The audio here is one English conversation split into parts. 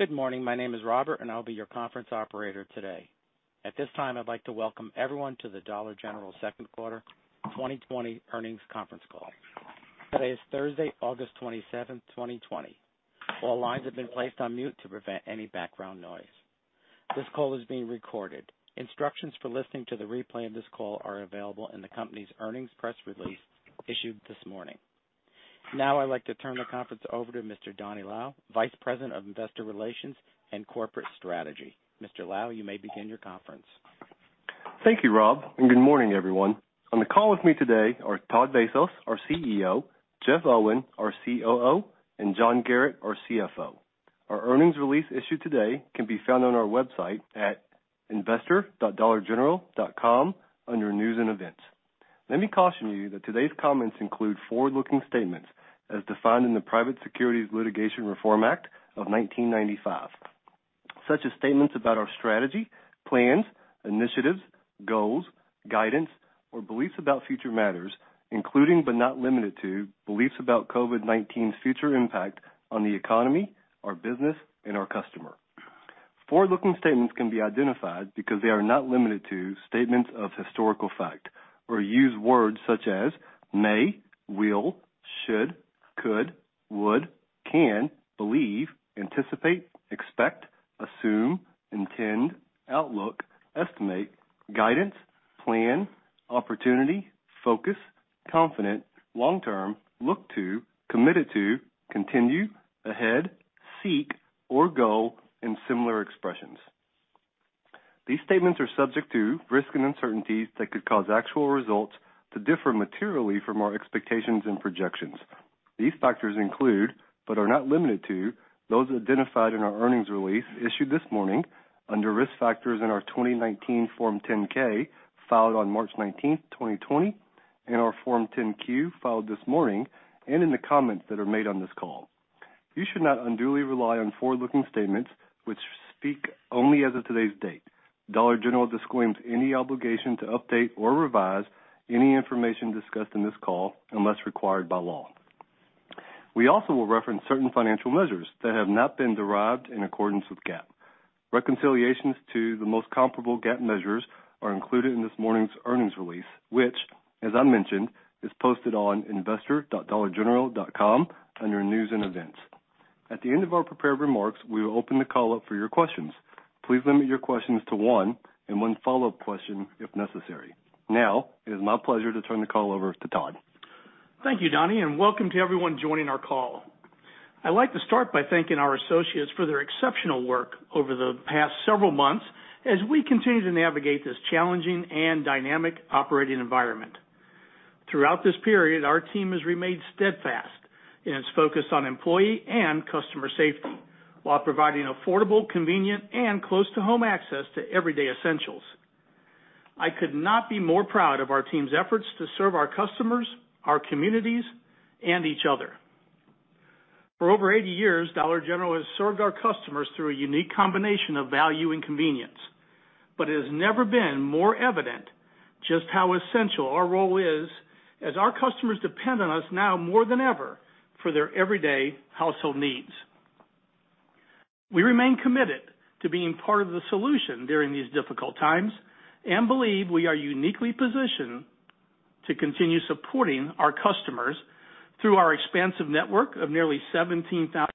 Good morning. My name is Robert, and I'll be your conference operator today. At this time, I'd like to welcome everyone to the Dollar General second quarter 2020 earnings conference call. Today is Thursday, August 27th, 2020. All lines have been placed on mute to prevent any background noise. This call is being recorded. Instructions for listening to the replay of this call are available in the company's earnings press release issued this morning. Now I'd like to turn the conference over to Mr. Donny Lau, Vice President of Investor Relations and Corporate Strategy. Mr. Lau, you may begin your conference. Thank you, Rob. Good morning, everyone. On the call with me today are Todd Vasos, our CEO, Jeff Owen, our COO, John Garratt, our CFO. Our earnings release issued today can be found on our website at investor.dollargeneral.com under News and Events. Let me caution you that today's comments include forward-looking statements as defined in the Private Securities Litigation Reform Act of 1995. Such as statements about our strategy, plans, initiatives, goals, guidance, or beliefs about future matters, including, but not limited to, beliefs about COVID-19's future impact on the economy, our business, and our customer. Forward-looking statements can be identified because they are not limited to statements of historical fact or use words such as may, will, should, could, would, can, believe, anticipate, expect, assume, intend, outlook, estimate, guidance, plan, opportunity, focus, confident, long-term, look to, committed to, continue, ahead, seek, or go, similar expressions. These statements are subject to risk and uncertainties that could cause actual results to differ materially from our expectations and projections. These factors include, but are not limited to, those identified in our earnings release issued this morning under Risk Factors in our 2019 Form 10-K filed on March 19th, 2020, in our Form 10-Q filed this morning, and in the comments that are made on this call. You should not unduly rely on forward-looking statements which speak only as of today's date. Dollar General disclaims any obligation to update or revise any information discussed on this call unless required by law. We also will reference certain financial measures that have not been derived in accordance with GAAP. Reconciliations to the most comparable GAAP measures are included in this morning's earnings release, which, as I mentioned, is posted on investor.dollargeneral.com under News and Events. At the end of our prepared remarks, we will open the call up for your questions. Please limit your questions to one and one follow-up question if necessary. Now, it is my pleasure to turn the call over to Todd. Thank you, Donny, and welcome to everyone joining our call. I'd like to start by thanking our associates for their exceptional work over the past several months as we continue to navigate this challenging and dynamic operating environment. Throughout this period, our team has remained steadfast in its focus on employee and customer safety while providing affordable, convenient, and close-to-home access to everyday essentials. I could not be more proud of our team's efforts to serve our customers, our communities, and each other. For over 80 years, Dollar General has served our customers through a unique combination of value and convenience. It has never been more evident just how essential our role is as our customers depend on us now more than ever for their everyday household needs. We remain committed to being part of the solution during these difficult times and believe we are uniquely positioned to continue supporting our customers through our expansive network of nearly 17,000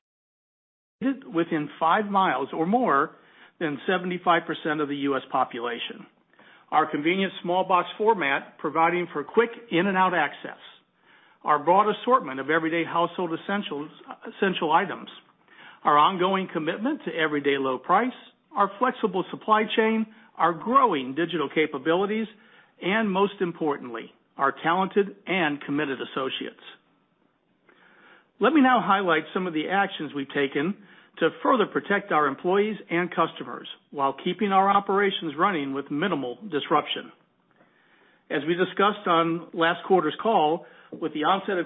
within 5 mi or more than 75% of the U.S. population. Our convenient small box format providing for quick in-and-out access, our broad assortment of everyday household essential items, our ongoing commitment to everyday low price, our flexible supply chain, our growing digital capabilities, and most importantly, our talented and committed associates. Let me now highlight some of the actions we've taken to further protect our employees and customers while keeping our operations running with minimal disruption. As we discussed on last quarter's call, with the onset of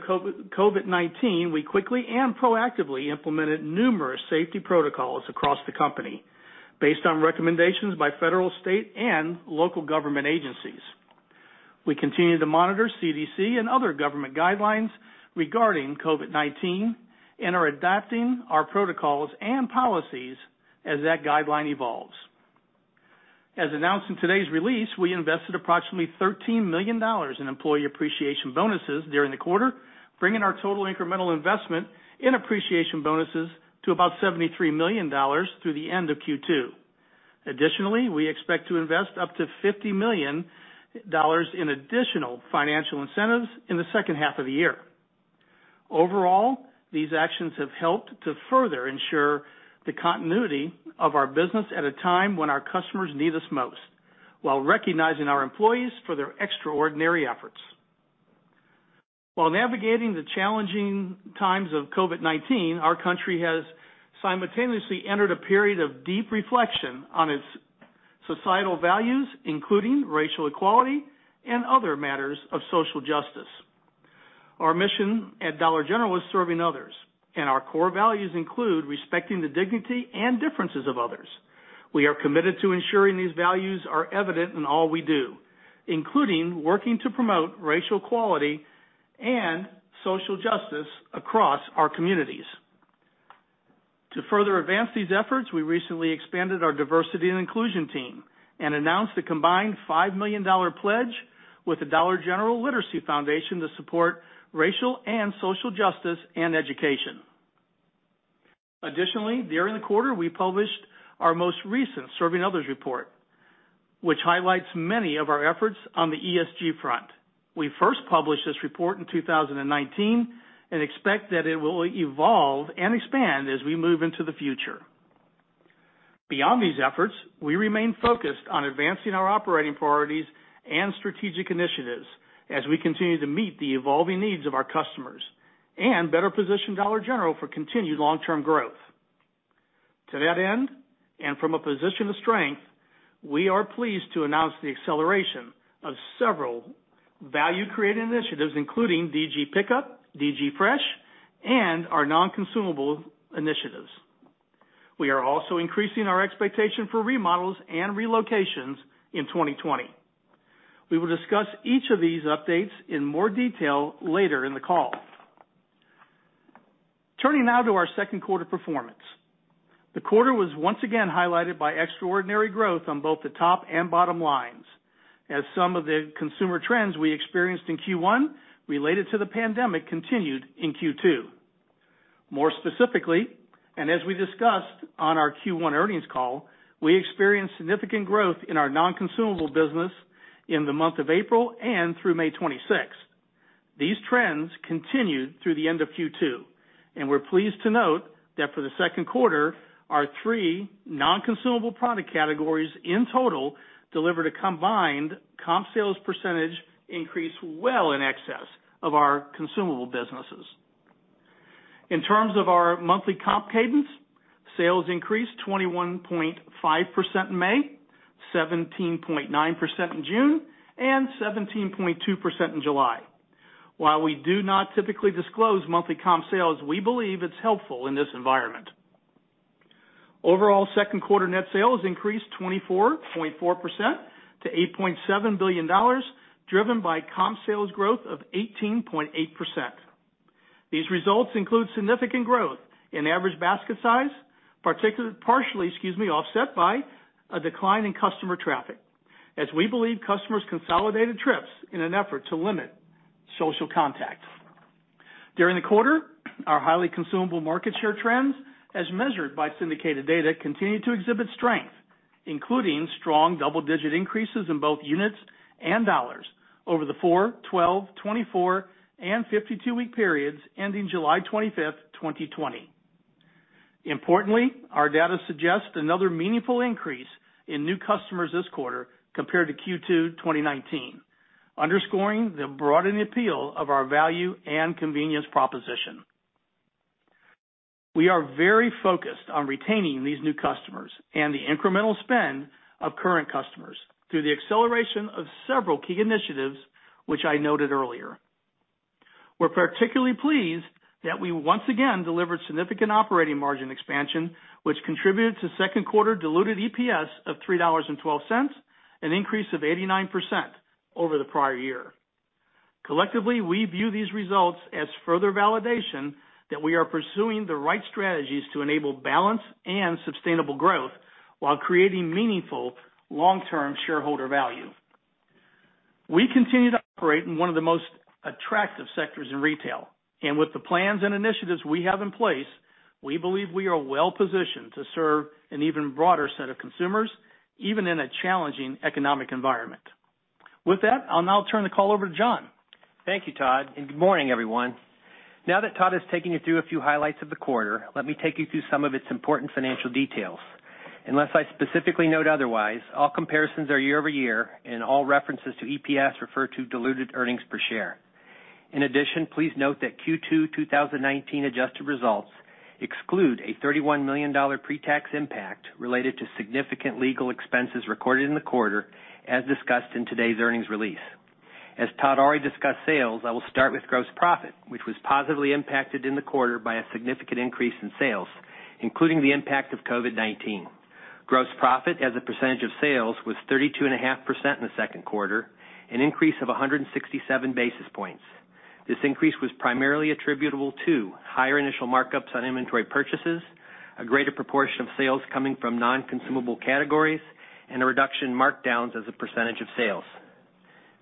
COVID-19, we quickly and proactively implemented numerous safety protocols across the company based on recommendations by federal, state, and local government agencies. We continue to monitor CDC and other government guidelines regarding COVID-19 and are adapting our protocols and policies as that guideline evolves. As announced in today's release, we invested approximately $13 million in employee appreciation bonuses during the quarter, bringing our total incremental investment in appreciation bonuses to about $73 million through the end of Q2. Additionally, we expect to invest up to $50 million in additional financial incentives in the second half of the year. Overall, these actions have helped to further ensure the continuity of our business at a time when our customers need us most, while recognizing our employees for their extraordinary efforts. While navigating the challenging times of COVID-19, our country has simultaneously entered a period of deep reflection on its societal values, including racial equality and other matters of social justice. Our mission at Dollar General is Serving Others, and our core values include respecting the dignity and differences of others. We are committed to ensuring these values are evident in all we do, including working to promote racial equality and social justice across our communities. To further advance these efforts, we recently expanded our diversity and inclusion team and announced a combined $5 million pledge with the Dollar General Literacy Foundation to support racial and social justice and education. Additionally, during the quarter, we published our most recent Serving Others report, which highlights many of our efforts on the ESG front. We first published this report in 2019 and expect that it will evolve and expand as we move into the future. Beyond these efforts, we remain focused on advancing our operating priorities and strategic initiatives as we continue to meet the evolving needs of our customers and better position Dollar General for continued long-term growth. To that end, and from a position of strength, we are pleased to announce the acceleration of several value-creating initiatives, including DG Pickup, DG Fresh, and our Non-Consumable Initiatives. We are also increasing our expectation for remodels and relocations in 2020. We will discuss each of these updates in more detail later in the call. Turning now to our second quarter performance. The quarter was once again highlighted by extraordinary growth on both the top and bottom lines, as some of the consumer trends we experienced in Q1 related to the pandemic continued in Q2. More specifically, as we discussed on our Q1 earnings call, we experienced significant growth in our non-consumable business in the month of April and through May 26th. These trends continued through the end of Q2, and we're pleased to note that for the second quarter, our three non-consumable product categories in total delivered a combined comp sales percentage increase well in excess of our consumable businesses. In terms of our monthly comp cadence, sales increased 21.5% in May, 17.9% in June, and 17.2% in July. While we do not typically disclose monthly comp sales, we believe it's helpful in this environment. Overall second quarter net sales increased 24.4% to $8.7 billion, driven by comp sales growth of 18.8%. These results include significant growth in average basket size, partially offset by a decline in customer traffic, as we believe customers consolidated trips in an effort to limit social contact. During the quarter, our highly consumable market share trends, as measured by syndicated data, continued to exhibit strength, including strong double-digit increases in both units and dollars over the 4, 12, 24, and 52-week periods ending July 25th, 2020. Importantly, our data suggests another meaningful increase in new customers this quarter compared to Q2 2019, underscoring the broadened appeal of our value and convenience proposition. We are very focused on retaining these new customers and the incremental spend of current customers through the acceleration of several key initiatives, which I noted earlier. We're particularly pleased that we once again delivered significant operating margin expansion, which contributed to second quarter diluted EPS of $3.12, an increase of 89% over the prior year. Collectively, we view these results as further validation that we are pursuing the right strategies to enable balanced and sustainable growth while creating meaningful long-term shareholder value. We continue to operate in one of the most attractive sectors in retail, and with the plans and initiatives we have in place, we believe we are well-positioned to serve an even broader set of consumers, even in a challenging economic environment. With that, I'll now turn the call over to John. Thank you, Todd, and good morning, everyone. Now that Todd has taken you through a few highlights of the quarter, let me take you through some of its important financial details. Unless I specifically note otherwise, all comparisons are year-over-year, and all references to EPS refer to diluted earnings per share. In addition, please note that Q2 2019 adjusted results exclude a $31 million pre-tax impact related to significant legal expenses recorded in the quarter, as discussed in today's earnings release. As Todd already discussed sales, I will start with gross profit, which was positively impacted in the quarter by a significant increase in sales, including the impact of COVID-19. Gross profit as a percentage of sales was 32.5% in the second quarter, an increase of 167 basis points. This increase was primarily attributable to higher initial markups on inventory purchases, a greater proportion of sales coming from non-consumable categories, and a reduction in markdowns as a percentage of sales.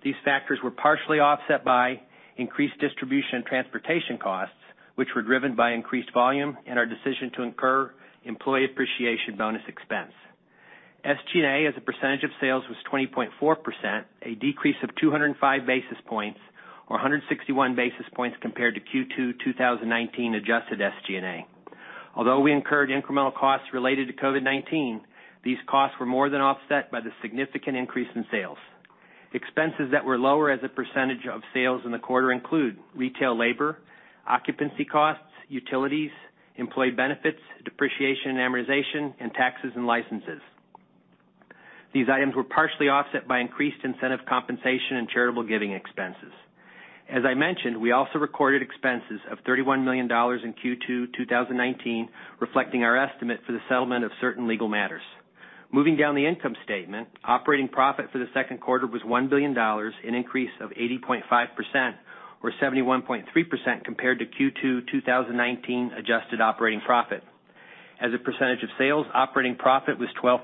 These factors were partially offset by increased distribution and transportation costs, which were driven by increased volume and our decision to incur employee appreciation bonus expense. SG&A as a percentage of sales was 20.4%, a decrease of 205 basis points or 161 basis points compared to Q2 2019 adjusted SG&A. Although we incurred incremental costs related to COVID-19, these costs were more than offset by the significant increase in sales. Expenses that were lower as a percentage of sales in the quarter include retail labor, occupancy costs, utilities, employee benefits, depreciation and amortization, and taxes and licenses. These items were partially offset by increased incentive compensation and charitable giving expenses. As I mentioned, we also recorded expenses of $31 million in Q2 2019, reflecting our estimate for the settlement of certain legal matters. Moving down the income statement, operating profit for the second quarter was $1 billion, an increase of 80.5%, or 71.3% compared to Q2 2019 adjusted operating profit. As a percentage of sales, operating profit was 12%,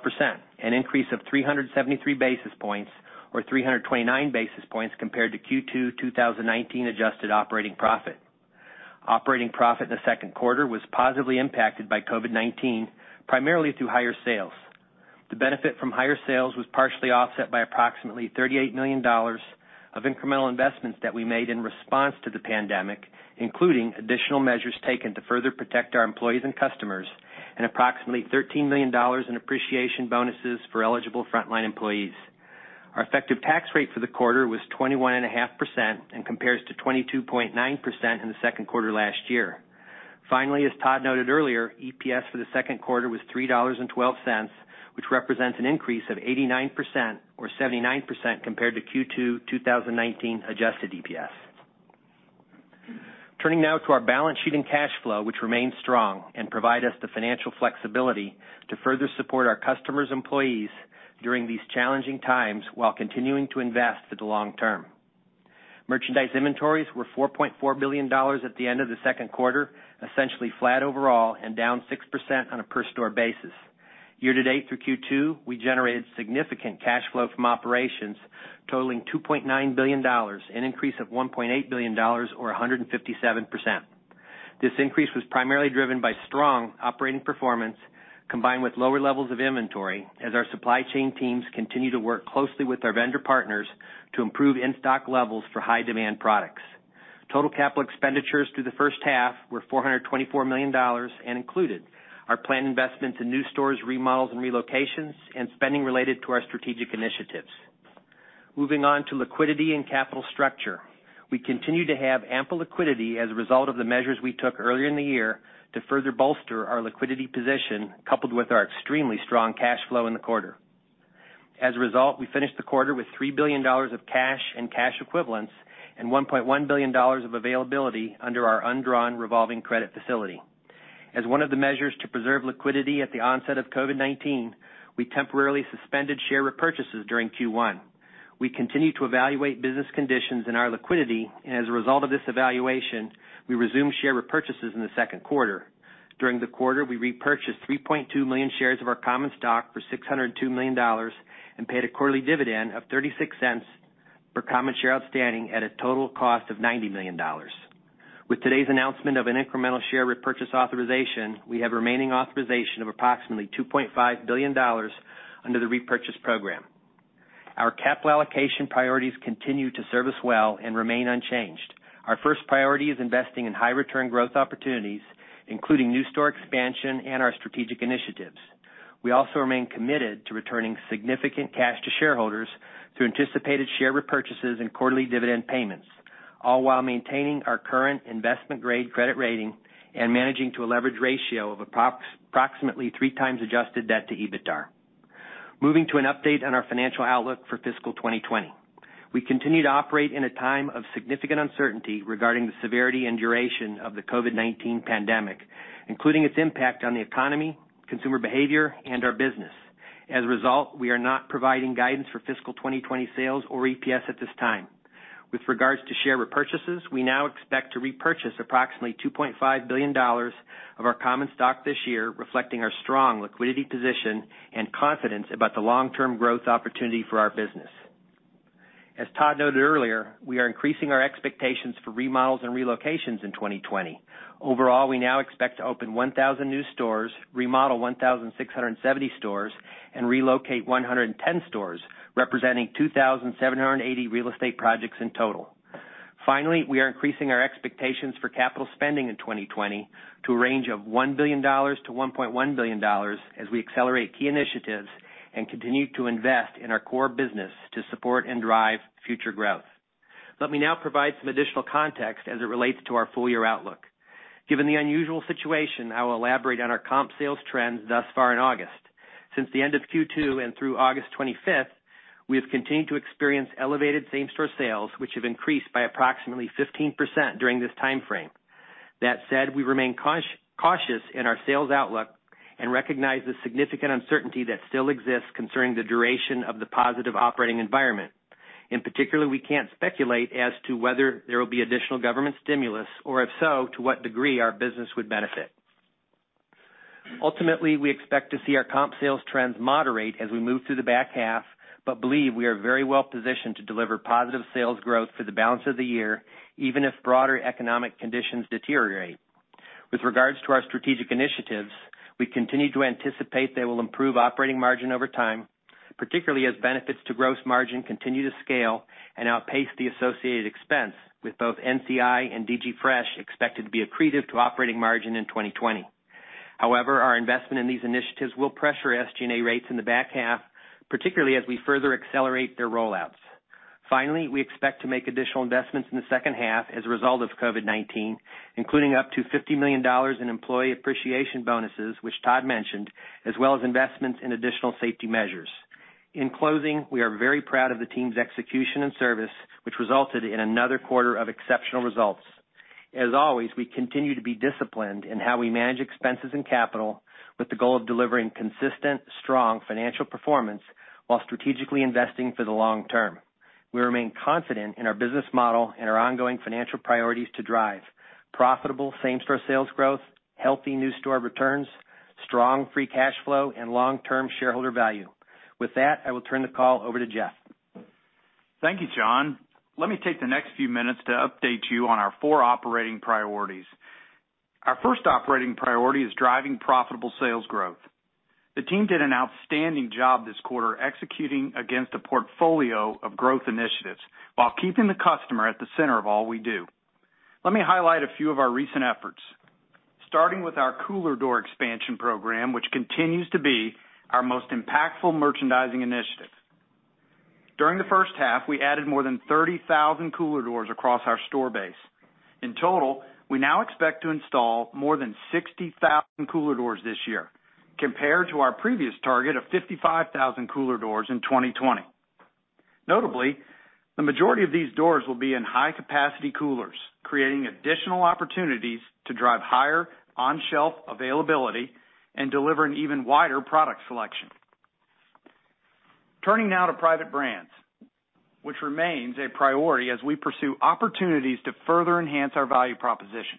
an increase of 373 basis points or 329 basis points compared to Q2 2019 adjusted operating profit. Operating profit in the second quarter was positively impacted by COVID-19, primarily through higher sales. The benefit from higher sales was partially offset by approximately $38 million of incremental investments that we made in response to the pandemic, including additional measures taken to further protect our employees and customers, and approximately $13 million in appreciation bonuses for eligible frontline employees. Our effective tax rate for the quarter was 21.5% and compares to 22.9% in the second quarter last year. Finally, as Todd noted earlier, EPS for the second quarter was $3.12, which represents an increase of 89% or 79% compared to Q2 2019 adjusted EPS. Turning now to our balance sheet and cash flow, which remain strong and provide us the financial flexibility to further support our customers and employees during these challenging times while continuing to invest for the long term. Merchandise inventories were $4.4 billion at the end of the second quarter, essentially flat overall and down 6% on a per store basis. Year to date through Q2, we generated significant cash flow from operations totaling $2.9 billion, an increase of $1.8 billion or 157%. This increase was primarily driven by strong operating performance combined with lower levels of inventory as our supply chain teams continue to work closely with our vendor partners to improve in-stock levels for high demand products. Total capital expenditures through the first half were $424 million and included our planned investments in new stores, remodels and relocations and spending related to our strategic initiatives. Moving on to liquidity and capital structure. We continue to have ample liquidity as a result of the measures we took earlier in the year to further bolster our liquidity position, coupled with our extremely strong cash flow in the quarter. As a result, we finished the quarter with $3 billion of cash and cash equivalents and $1.1 billion of availability under our undrawn revolving credit facility. As one of the measures to preserve liquidity at the onset of COVID-19, we temporarily suspended share repurchases during Q1. We continue to evaluate business conditions and our liquidity, and as a result of this evaluation, we resumed share repurchases in the second quarter. During the quarter, we repurchased 3.2 million shares of our common stock for $602 million and paid a quarterly dividend of $0.36 per common share outstanding at a total cost of $90 million. With today's announcement of an incremental share repurchase authorization, we have remaining authorization of approximately $2.5 billion under the repurchase program. Our capital allocation priorities continue to serve us well and remain unchanged. Our first priority is investing in high return growth opportunities, including new store expansion and our strategic initiatives. We also remain committed to returning significant cash to shareholders through anticipated share repurchases and quarterly dividend payments, all while maintaining our current investment grade credit rating and managing to a leverage ratio of approximately 3x adjusted debt to EBITDA. Moving to an update on our financial outlook for fiscal 2020. We continue to operate in a time of significant uncertainty regarding the severity and duration of the COVID-19 pandemic, including its impact on the economy, consumer behavior, and our business. As a result, we are not providing guidance for fiscal 2020 sales or EPS at this time. With regards to share repurchases, we now expect to repurchase approximately $2.5 billion of our common stock this year, reflecting our strong liquidity position and confidence about the long-term growth opportunity for our business. As Todd noted earlier, we are increasing our expectations for remodels and relocations in 2020. Overall, we now expect to open 1,000 new stores, remodel 1,670 stores, and relocate 110 stores, representing 2,780 real estate projects in total. We are increasing our expectations for capital spending in 2020 to a range of $1 billion-$1.1 billion as we accelerate key initiatives and continue to invest in our core business to support and drive future growth. Let me now provide some additional context as it relates to our full year outlook. Given the unusual situation, I will elaborate on our comp sales trends thus far in August. Since the end of Q2 and through August 25th, we have continued to experience elevated same store sales, which have increased by approximately 15% during this time frame. We remain cautious in our sales outlook and recognize the significant uncertainty that still exists concerning the duration of the positive operating environment. In particular, we can't speculate as to whether there will be additional government stimulus, or if so, to what degree our business would benefit. Ultimately, we expect to see our comp sales trends moderate as we move through the back half, but believe we are very well positioned to deliver positive sales growth for the balance of the year, even if broader economic conditions deteriorate. With regards to our strategic initiatives, we continue to anticipate they will improve operating margin over time, particularly as benefits to gross margin continue to scale and outpace the associated expense with both NCI and DG Fresh expected to be accretive to operating margin in 2020. Our investment in these initiatives will pressure SG&A rates in the back half, particularly as we further accelerate their rollouts. Finally, we expect to make additional investments in the second half as a result of COVID-19, including up to $50 million in employee appreciation bonuses, which Todd mentioned, as well as investments in additional safety measures. In closing, we are very proud of the team's execution and service, which resulted in another quarter of exceptional results. As always, we continue to be disciplined in how we manage expenses and capital with the goal of delivering consistent, strong financial performance while strategically investing for the long term. We remain confident in our business model and our ongoing financial priorities to drive profitable same-store sales growth, healthy new store returns, strong free cash flow, and long-term shareholder value. With that, I will turn the call over to Jeff. Thank you, John. Let me take the next few minutes to update you on our four operating priorities. Our first operating priority is driving profitable sales growth. The team did an outstanding job this quarter executing against a portfolio of growth initiatives while keeping the customer at the center of all we do. Let me highlight a few of our recent efforts, starting with our cooler door expansion program, which continues to be our most impactful merchandising initiative. During the first half, we added more than 30,000 cooler doors across our store base. In total, we now expect to install more than 60,000 cooler doors this year compared to our previous target of 55,000 cooler doors in 2020. Notably, the majority of these doors will be in high capacity coolers, creating additional opportunities to drive higher on-shelf availability and deliver an even wider product selection. Turning now to private brands, which remains a priority as we pursue opportunities to further enhance our value proposition.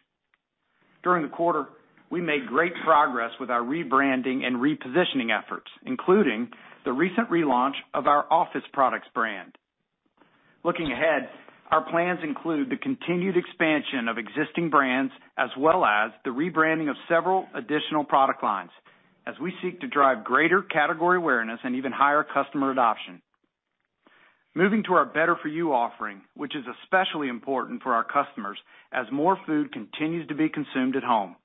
During the quarter, we made great progress with our rebranding and repositioning efforts, including the recent relaunch of our office products brand. Looking ahead, our plans include the continued expansion of existing brands, as well as the rebranding of several additional product lines as we seek to drive greater category awareness and even higher customer adoption. Moving to our Better For You offering, which is especially important for our customers as more food continues to be consumed at home.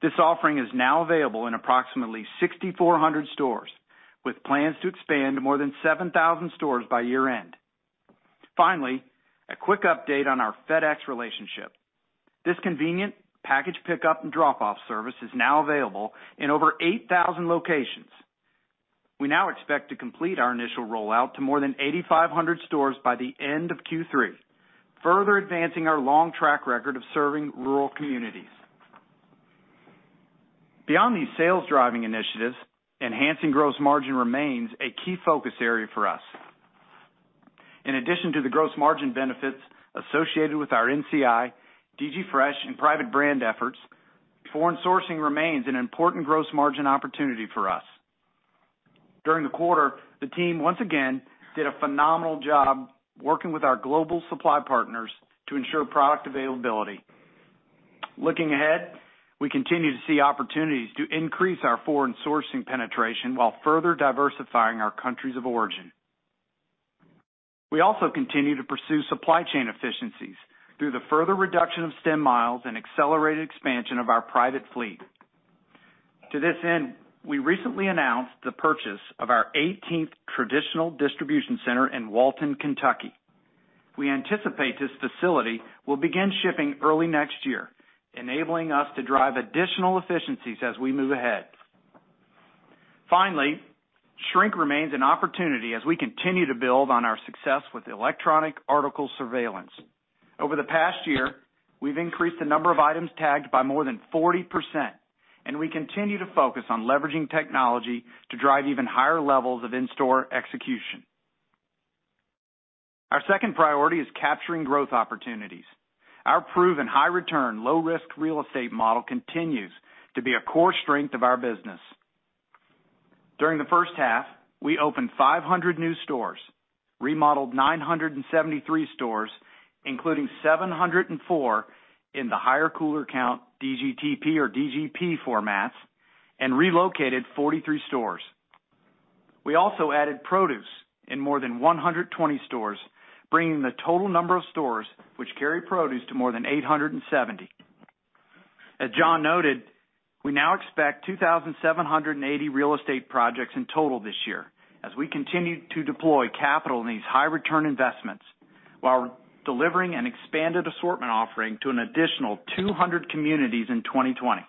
This offering is now available in approximately 6,400 stores, with plans to expand to more than 7,000 stores by year-end. Finally, a quick update on our FedEx relationship. This convenient package pickup and drop-off service is now available in over 8,000 locations. We now expect to complete our initial rollout to more than 8,500 stores by the end of Q3, further advancing our long track record of serving rural communities. Beyond these sales-driving initiatives, enhancing gross margin remains a key focus area for us. In addition to the gross margin benefits associated with our NCI, DG Fresh, and private brand efforts, foreign sourcing remains an important gross margin opportunity for us. During the quarter, the team, once again, did a phenomenal job working with our global supply partners to ensure product availability. Looking ahead, we continue to see opportunities to increase our foreign sourcing penetration while further diversifying our countries of origin. We also continue to pursue supply chain efficiencies through the further reduction of stem miles and accelerated expansion of our private fleet. To this end, we recently announced the purchase of our 18th traditional distribution center in Walton, Kentucky. We anticipate this facility will begin shipping early next year, enabling us to drive additional efficiencies as we move ahead. Finally, shrink remains an opportunity as we continue to build on our success with Electronic Article Surveillance. Over the past year, we've increased the number of items tagged by more than 40%, and we continue to focus on leveraging technology to drive even higher levels of in-store execution. Our second priority is capturing growth opportunities. Our proven high return, low risk real estate model continues to be a core strength of our business. During the first half, we opened 500 new stores, remodeled 973 stores, including 704 in the higher cooler count DGTP or DGP formats, and relocated 43 stores. We also added produce in more than 120 stores, bringing the total number of stores which carry produce to more than 870. As John noted, we now expect 2,780 real estate projects in total this year as we continue to deploy capital in these high return investments while delivering an expanded assortment offering to an additional 200 communities in 2020.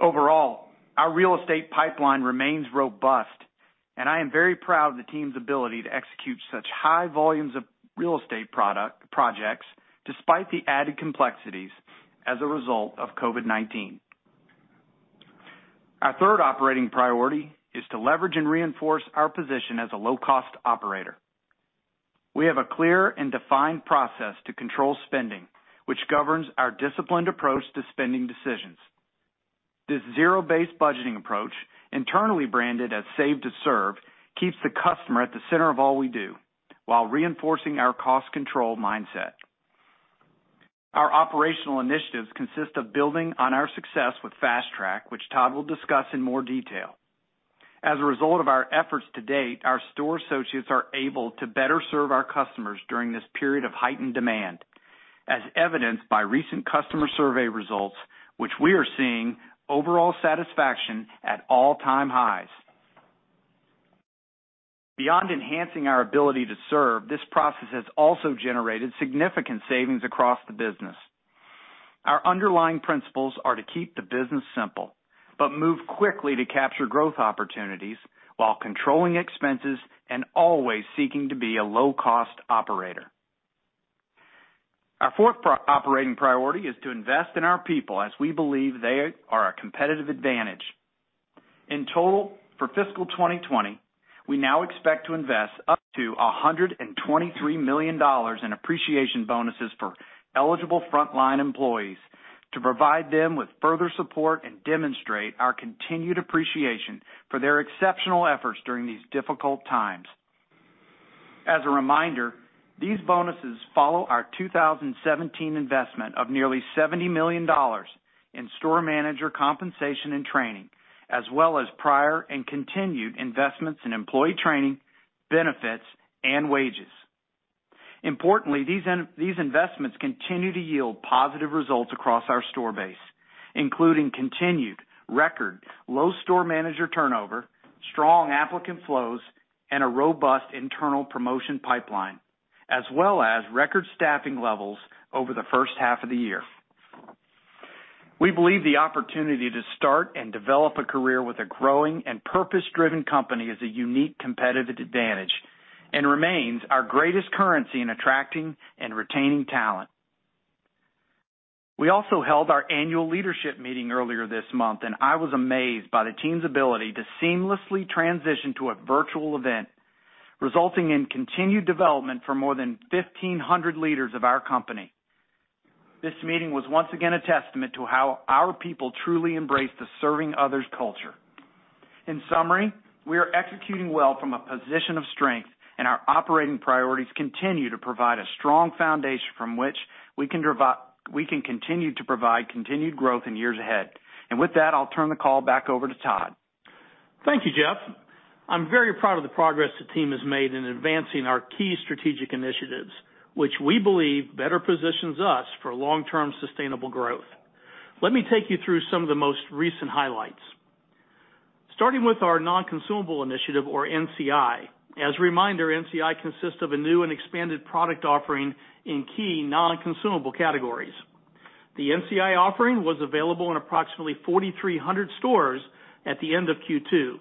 Overall, our real estate pipeline remains robust, and I am very proud of the team's ability to execute such high volumes of real estate projects despite the added complexities as a result of COVID-19. Our third operating priority is to leverage and reinforce our position as a low-cost operator. We have a clear and defined process to control spending, which governs our disciplined approach to spending decisions. This zero-based budgeting approach, internally branded as Save to Serve, keeps the customer at the center of all we do while reinforcing our cost control mindset. Our operational initiatives consist of building on our success with Fast Track, which Todd will discuss in more detail. As a result of our efforts to date, our store associates are able to better serve our customers during this period of heightened demand. Evidenced by recent customer survey results, which we are seeing overall satisfaction at all-time highs. Beyond enhancing our ability to serve, this process has also generated significant savings across the business. Our underlying principles are to keep the business simple, but move quickly to capture growth opportunities while controlling expenses and always seeking to be a low-cost operator. Our fourth operating priority is to invest in our people as we believe they are our competitive advantage. In total, for fiscal 2020, we now expect to invest up to $123 million in appreciation bonuses for eligible frontline employees to provide them with further support and demonstrate our continued appreciation for their exceptional efforts during these difficult times. As a reminder, these bonuses follow our 2017 investment of nearly $70 million in store manager compensation and training, as well as prior and continued investments in employee training, benefits, and wages. Importantly, these investments continue to yield positive results across our store base, including continued record low store manager turnover, strong applicant flows, and a robust internal promotion pipeline, as well as record staffing levels over the first half of the year. We believe the opportunity to start and develop a career with a growing and purpose-driven company is a unique competitive advantage and remains our greatest currency in attracting and retaining talent. We also held our annual leadership meeting earlier this month, and I was amazed by the team's ability to seamlessly transition to a virtual event, resulting in continued development for more than 1,500 leaders of our company. This meeting was once again a testament to how our people truly embrace the Serving Others culture. In summary, we are executing well from a position of strength, and our operating priorities continue to provide a strong foundation from which we can continue to provide continued growth in years ahead. With that, I'll turn the call back over to Todd. Thank you, Jeff. I'm very proud of the progress the team has made in advancing our key strategic initiatives, which we believe better positions us for long-term sustainable growth. Let me take you through some of the most recent highlights. Starting with our Non-Consumable Initiative or NCI. As a reminder, NCI consists of a new and expanded product offering in key non-consumable categories. The NCI offering was available in approximately 4,300 stores at the end of Q2,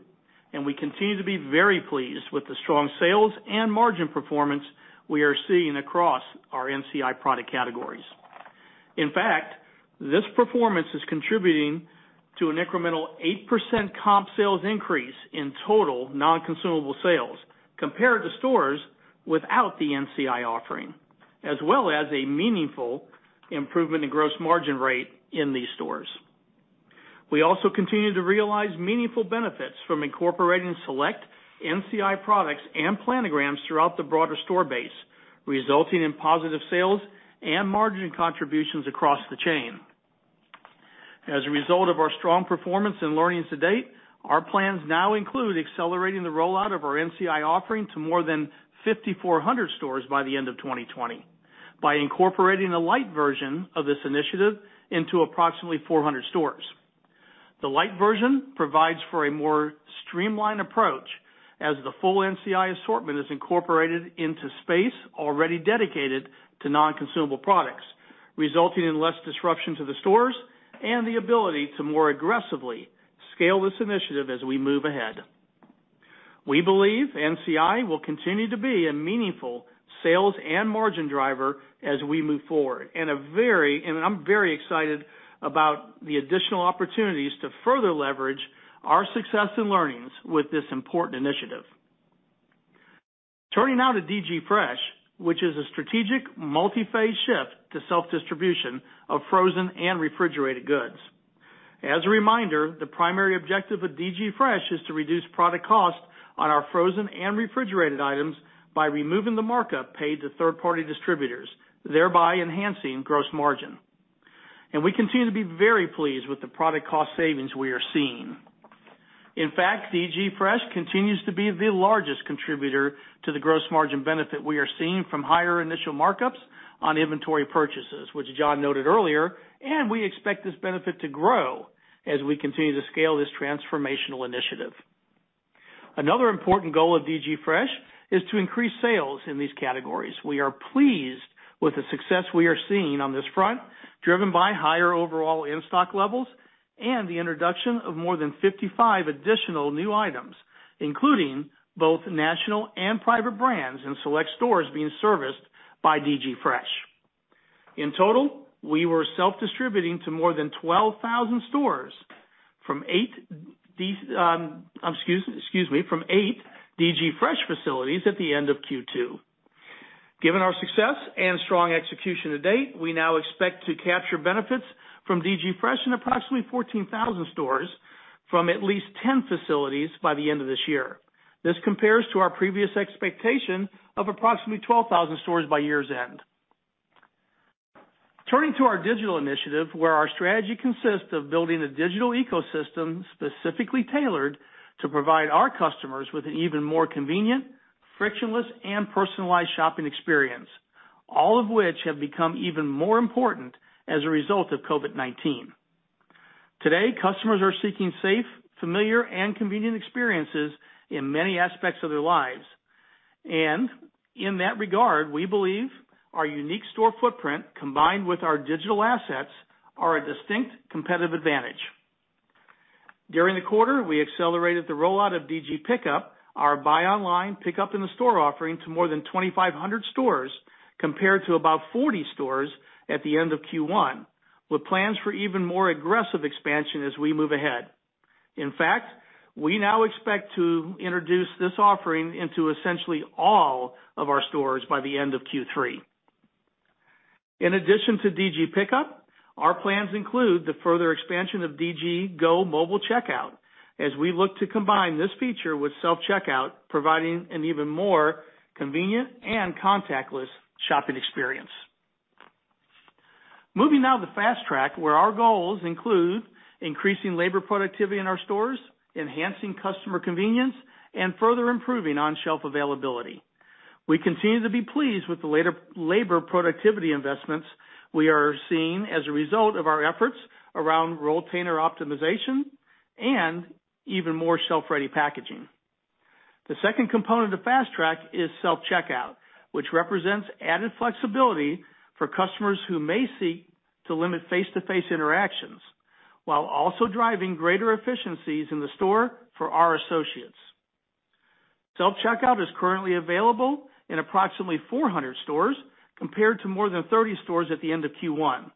and we continue to be very pleased with the strong sales and margin performance we are seeing across our NCI product categories. In fact, this performance is contributing to an incremental 8% comp sales increase in total non-consumable sales compared to stores without the NCI offering, as well as a meaningful improvement in gross margin rate in these stores. We also continue to realize meaningful benefits from incorporating select NCI products and planograms throughout the broader store base, resulting in positive sales and margin contributions across the chain. As a result of our strong performance and learnings to date, our plans now include accelerating the rollout of our NCI offering to more than 5,400 stores by the end of 2020 by incorporating a lite version of this initiative into approximately 400 stores. The lite version provides for a more streamlined approach as the full NCI assortment is incorporated into space already dedicated to non-consumable products, resulting in less disruption to the stores and the ability to more aggressively scale this initiative as we move ahead. We believe NCI will continue to be a meaningful sales and margin driver as we move forward. I'm very excited about the additional opportunities to further leverage our success and learnings with this important initiative. Turning now to DG Fresh, which is a strategic multi-phase shift to self-distribution of frozen and refrigerated goods. As a reminder, the primary objective of DG Fresh is to reduce product cost on our frozen and refrigerated items by removing the markup paid to third-party distributors, thereby enhancing gross margin. We continue to be very pleased with the product cost savings we are seeing. In fact, DG Fresh continues to be the largest contributor to the gross margin benefit we are seeing from higher initial markups on inventory purchases, which John noted earlier. We expect this benefit to grow as we continue to scale this transformational initiative. Another important goal of DG Fresh is to increase sales in these categories. We are pleased with the success we are seeing on this front, driven by higher overall in-stock levels and the introduction of more than 55 additional new items, including both national and private brands in select stores being serviced by DG Fresh. In total, we were self-distributing to more than 12,000 stores from eight DG Fresh facilities at the end of Q2. Given our success and strong execution to date, we now expect to capture benefits from DG Fresh in approximately 14,000 stores from at least 10 facilities by the end of this year. This compares to our previous expectation of approximately 12,000 stores by year's end. Turning to our digital initiative, where our strategy consists of building a digital ecosystem specifically tailored to provide our customers with an even more convenient, frictionless, and personalized shopping experience, all of which have become even more important as a result of COVID-19. Today, customers are seeking safe, familiar, and convenient experiences in many aspects of their lives. In that regard, we believe our unique store footprint, combined with our digital assets, are a distinct competitive advantage. During the quarter, we accelerated the rollout of DG Pickup, our buy online, pickup in the store offering to more than 2,500 stores, compared to about 40 stores at the end of Q1, with plans for even more aggressive expansion as we move ahead. In fact, we now expect to introduce this offering into essentially all of our stores by the end of Q3. In addition to DG Pickup, our plans include the further expansion of DG Go mobile checkout as we look to combine this feature with self-checkout, providing an even more convenient and contactless shopping experience. Moving now to Fast Track, where our goals include increasing labor productivity in our stores, enhancing customer convenience, and further improving on-shelf availability. We continue to be pleased with the labor productivity investments we are seeing as a result of our efforts around rolltainer optimization and even more shelf-ready packaging. The second component of Fast Track is self-checkout, which represents added flexibility for customers who may seek to limit face-to-face interactions, while also driving greater efficiencies in the store for our associates. Self-checkout is currently available in approximately 400 stores, compared to more than 30 stores at the end of Q1.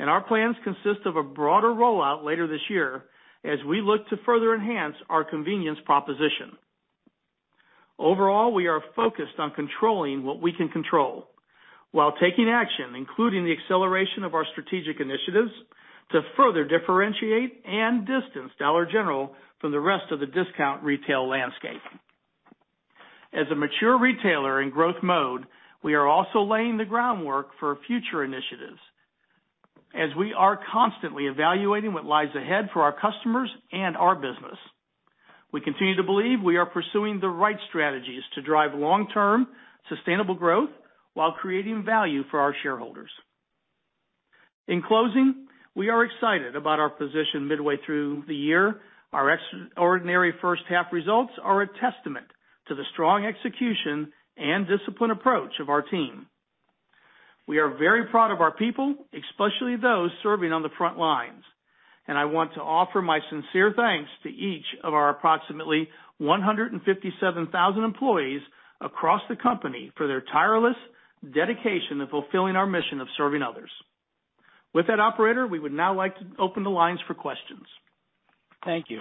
Our plans consist of a broader rollout later this year as we look to further enhance our convenience proposition. Overall, we are focused on controlling what we can control while taking action, including the acceleration of our strategic initiatives to further differentiate and distance Dollar General from the rest of the discount retail landscape. As a mature retailer in growth mode, we are also laying the groundwork for future initiatives as we are constantly evaluating what lies ahead for our customers and our business. We continue to believe we are pursuing the right strategies to drive long-term sustainable growth while creating value for our shareholders. In closing, we are excited about our position midway through the year. Our extraordinary first half results are a testament to the strong execution and disciplined approach of our team. We are very proud of our people, especially those serving on the front lines. I want to offer my sincere thanks to each of our approximately 157,000 employees across the company for their tireless dedication to fulfilling our mission of Serving Others. With that, operator, we would now like to open the lines for questions. Thank you.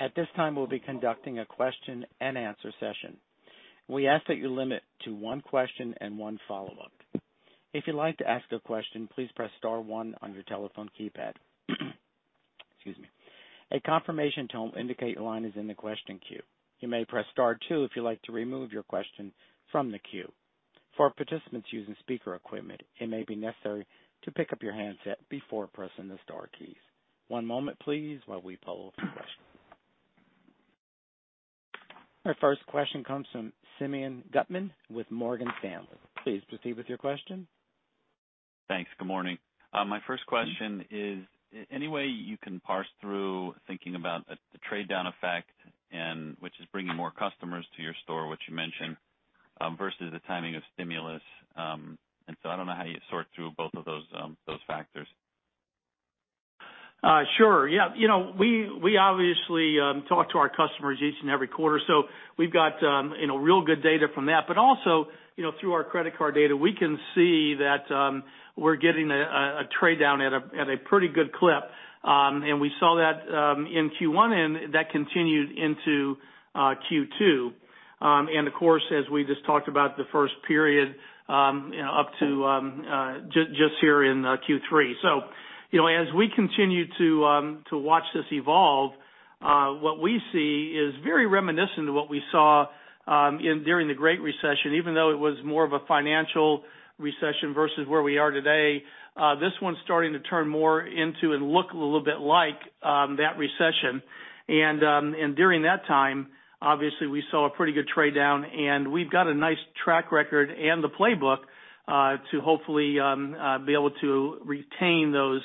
At this time, we'll be conducting a question and answer session. We ask that you limit to one question and one follow-up. If you'd like to ask a question, please press star one on your telephone keypad. Excuse me. A confirmation tone will indicate your line is in the question queue. You may press star two if you'd like to remove your question from the queue. For participants using speaker equipment, it may be necessary to pick up your handset before pressing the star keys. One moment, please, while we poll for questions. Our first question comes from Simeon Gutman with Morgan Stanley. Please proceed with your question. Thanks. Good morning. My first question is, any way you can parse through thinking about the trade down effect, which is bringing more customers to your store, which you mentioned, versus the timing of stimulus? I don't know how you sort through both of those factors. Sure. Yeah. We obviously talk to our customers each and every quarter, so we've got real good data from that. Also, through our credit card data, we can see that we're getting a trade down at a pretty good clip. We saw that in Q1, and that continued into Q2. Of course, as we just talked about, the first period up to just here in Q3. As we continue to watch this evolve, what we see is very reminiscent of what we saw during the Great Recession, even though it was more of a financial recession versus where we are today. This one's starting to turn more into and look a little bit like that recession. During that time, obviously, we saw a pretty good trade down, and we've got a nice track record and the playbook to hopefully be able to retain those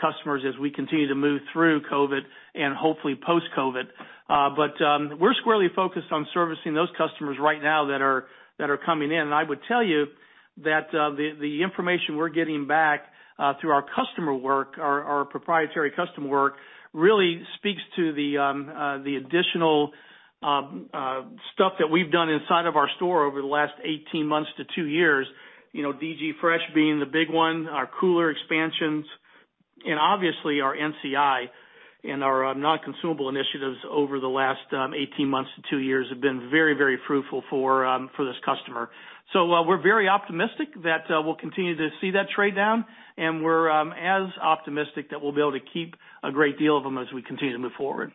customers as we continue to move through COVID and hopefully post-COVID. We're squarely focused on servicing those customers right now that are coming in. I would tell you that the information we're getting back through our proprietary customer work really speaks to the additional stuff that we've done inside of our store over the last 18 months to two years. DG Fresh being the big one, our cooler expansions, and obviously our NCI and our Non-Consumable Initiatives over the last 18 months to two years have been very fruitful for this customer. We're very optimistic that we'll continue to see that trade down, and we're as optimistic that we'll be able to keep a great deal of them as we continue to move forward.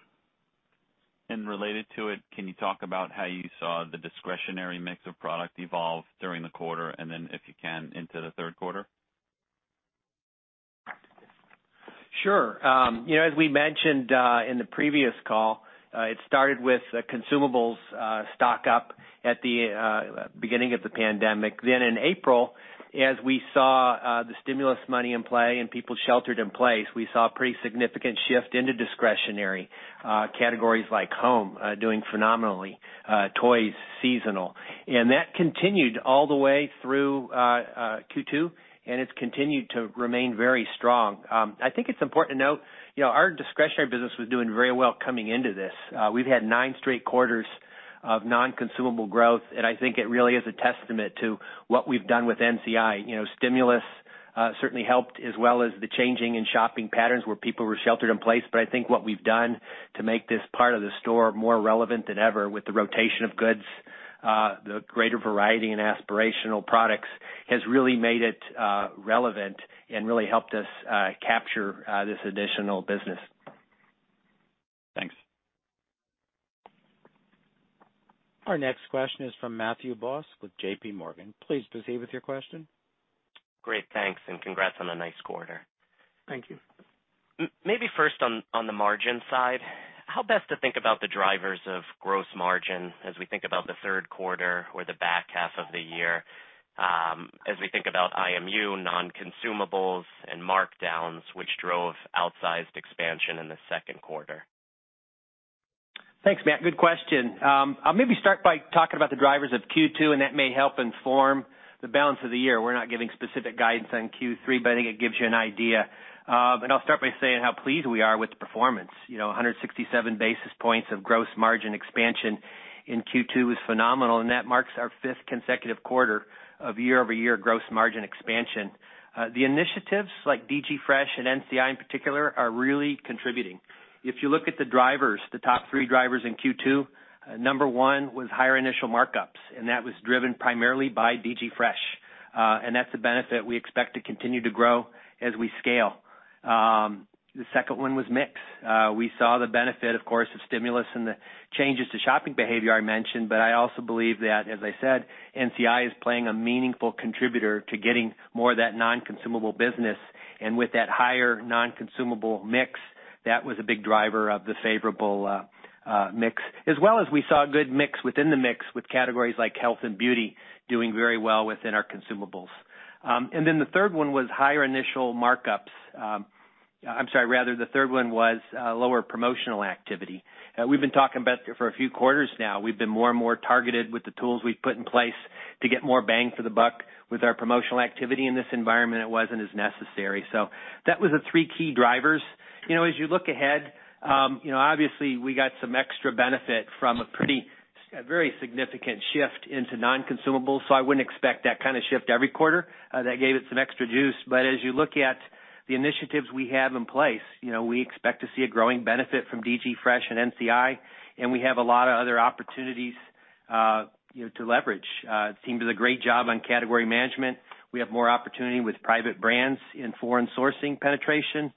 Related to it, can you talk about how you saw the discretionary mix of product evolve during the quarter, and then if you can, into the third quarter? Sure. You know, as we mentioned in the previous call, it started with consumables stock up at the beginning of the pandemic. In April, as we saw the stimulus money in play and people sheltered in place, we saw a pretty significant shift into discretionary categories like home doing phenomenally, toys, seasonal. That continued all the way through Q2, and it's continued to remain very strong. I think it's important to note, our discretionary business was doing very well coming into this. We've had nine straight quarters of non-consumable growth, and I think it really is a testament to what we've done with NCI. Stimulus certainly helped, as well as the changing in shopping patterns where people were sheltered in place. I think what we've done to make this part of the store more relevant than ever with the rotation of goods, the greater variety and aspirational products, has really made it relevant and really helped us capture this additional business. Thanks. Our next question is from Matthew Boss with JPMorgan. Please proceed with your question. Great, thanks, and congrats on a nice quarter. Thank you. Maybe first on the margin side, how best to think about the drivers of gross margin as we think about the third quarter or the back half of the year, as we think about IMU, non-consumables, and markdowns, which drove outsized expansion in the second quarter? Thanks, Matt. Good question. I'll maybe start by talking about the drivers of Q2, and that may help inform the balance of the year. We're not giving specific guidance on Q3, but I think it gives you an idea. I'll start by saying how pleased we are with the performance. 167 basis points of gross margin expansion in Q2 was phenomenal, and that marks our fifth consecutive quarter of year-over-year gross margin expansion. The initiatives like DG Fresh and NCI in particular are really contributing. If you look at the drivers, the top three drivers in Q2, number one was higher initial markups, and that was driven primarily by DG Fresh. That's a benefit we expect to continue to grow as we scale. The second one was mix. We saw the benefit, of course, of stimulus and the changes to shopping behavior I mentioned. I also believe that, as I said, NCI is playing a meaningful contributor to getting more of that non-consumable business. With that higher non-consumable mix, that was a big driver of the favorable mix. As well as we saw a good mix within the mix with categories like health and beauty doing very well within our consumables. Then the third one was higher initial markups. I'm sorry, rather, the third one was lower promotional activity. We've been talking about for a few quarters now. We've been more and more targeted with the tools we've put in place to get more bang for the buck with our promotional activity in this environment that wasn't as necessary. That was the three key drivers. As you look ahead, obviously we got some extra benefit from a very significant shift into non-consumables, so I wouldn't expect that kind of shift every quarter. That gave it some extra juice. As you look at the initiatives we have in place, we expect to see a growing benefit from DG Fresh and NCI, and we have a lot of other opportunities to leverage. The team does a great job on category management. We have more opportunity with private brands in foreign sourcing penetration,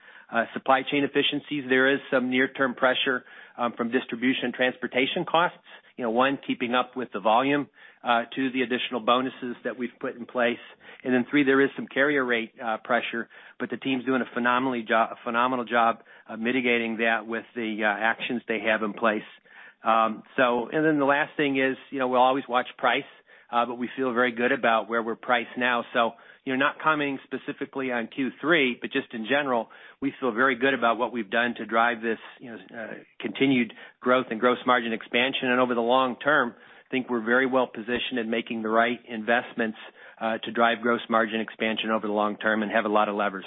supply chain efficiencies. There is some near-term pressure from distribution transportation costs. One, keeping up with the volume, two, the additional bonuses that we've put in place, and then three, there is some carrier rate pressure, but the team's doing a phenomenal job of mitigating that with the actions they have in place. The last thing is, we'll always watch price, but we feel very good about where we're priced now. Not commenting specifically on Q3, but just in general, we feel very good about what we've done to drive this continued growth and gross margin expansion. Over the long term, think we're very well positioned in making the right investments to drive gross margin expansion over the long term and have a lot of levers.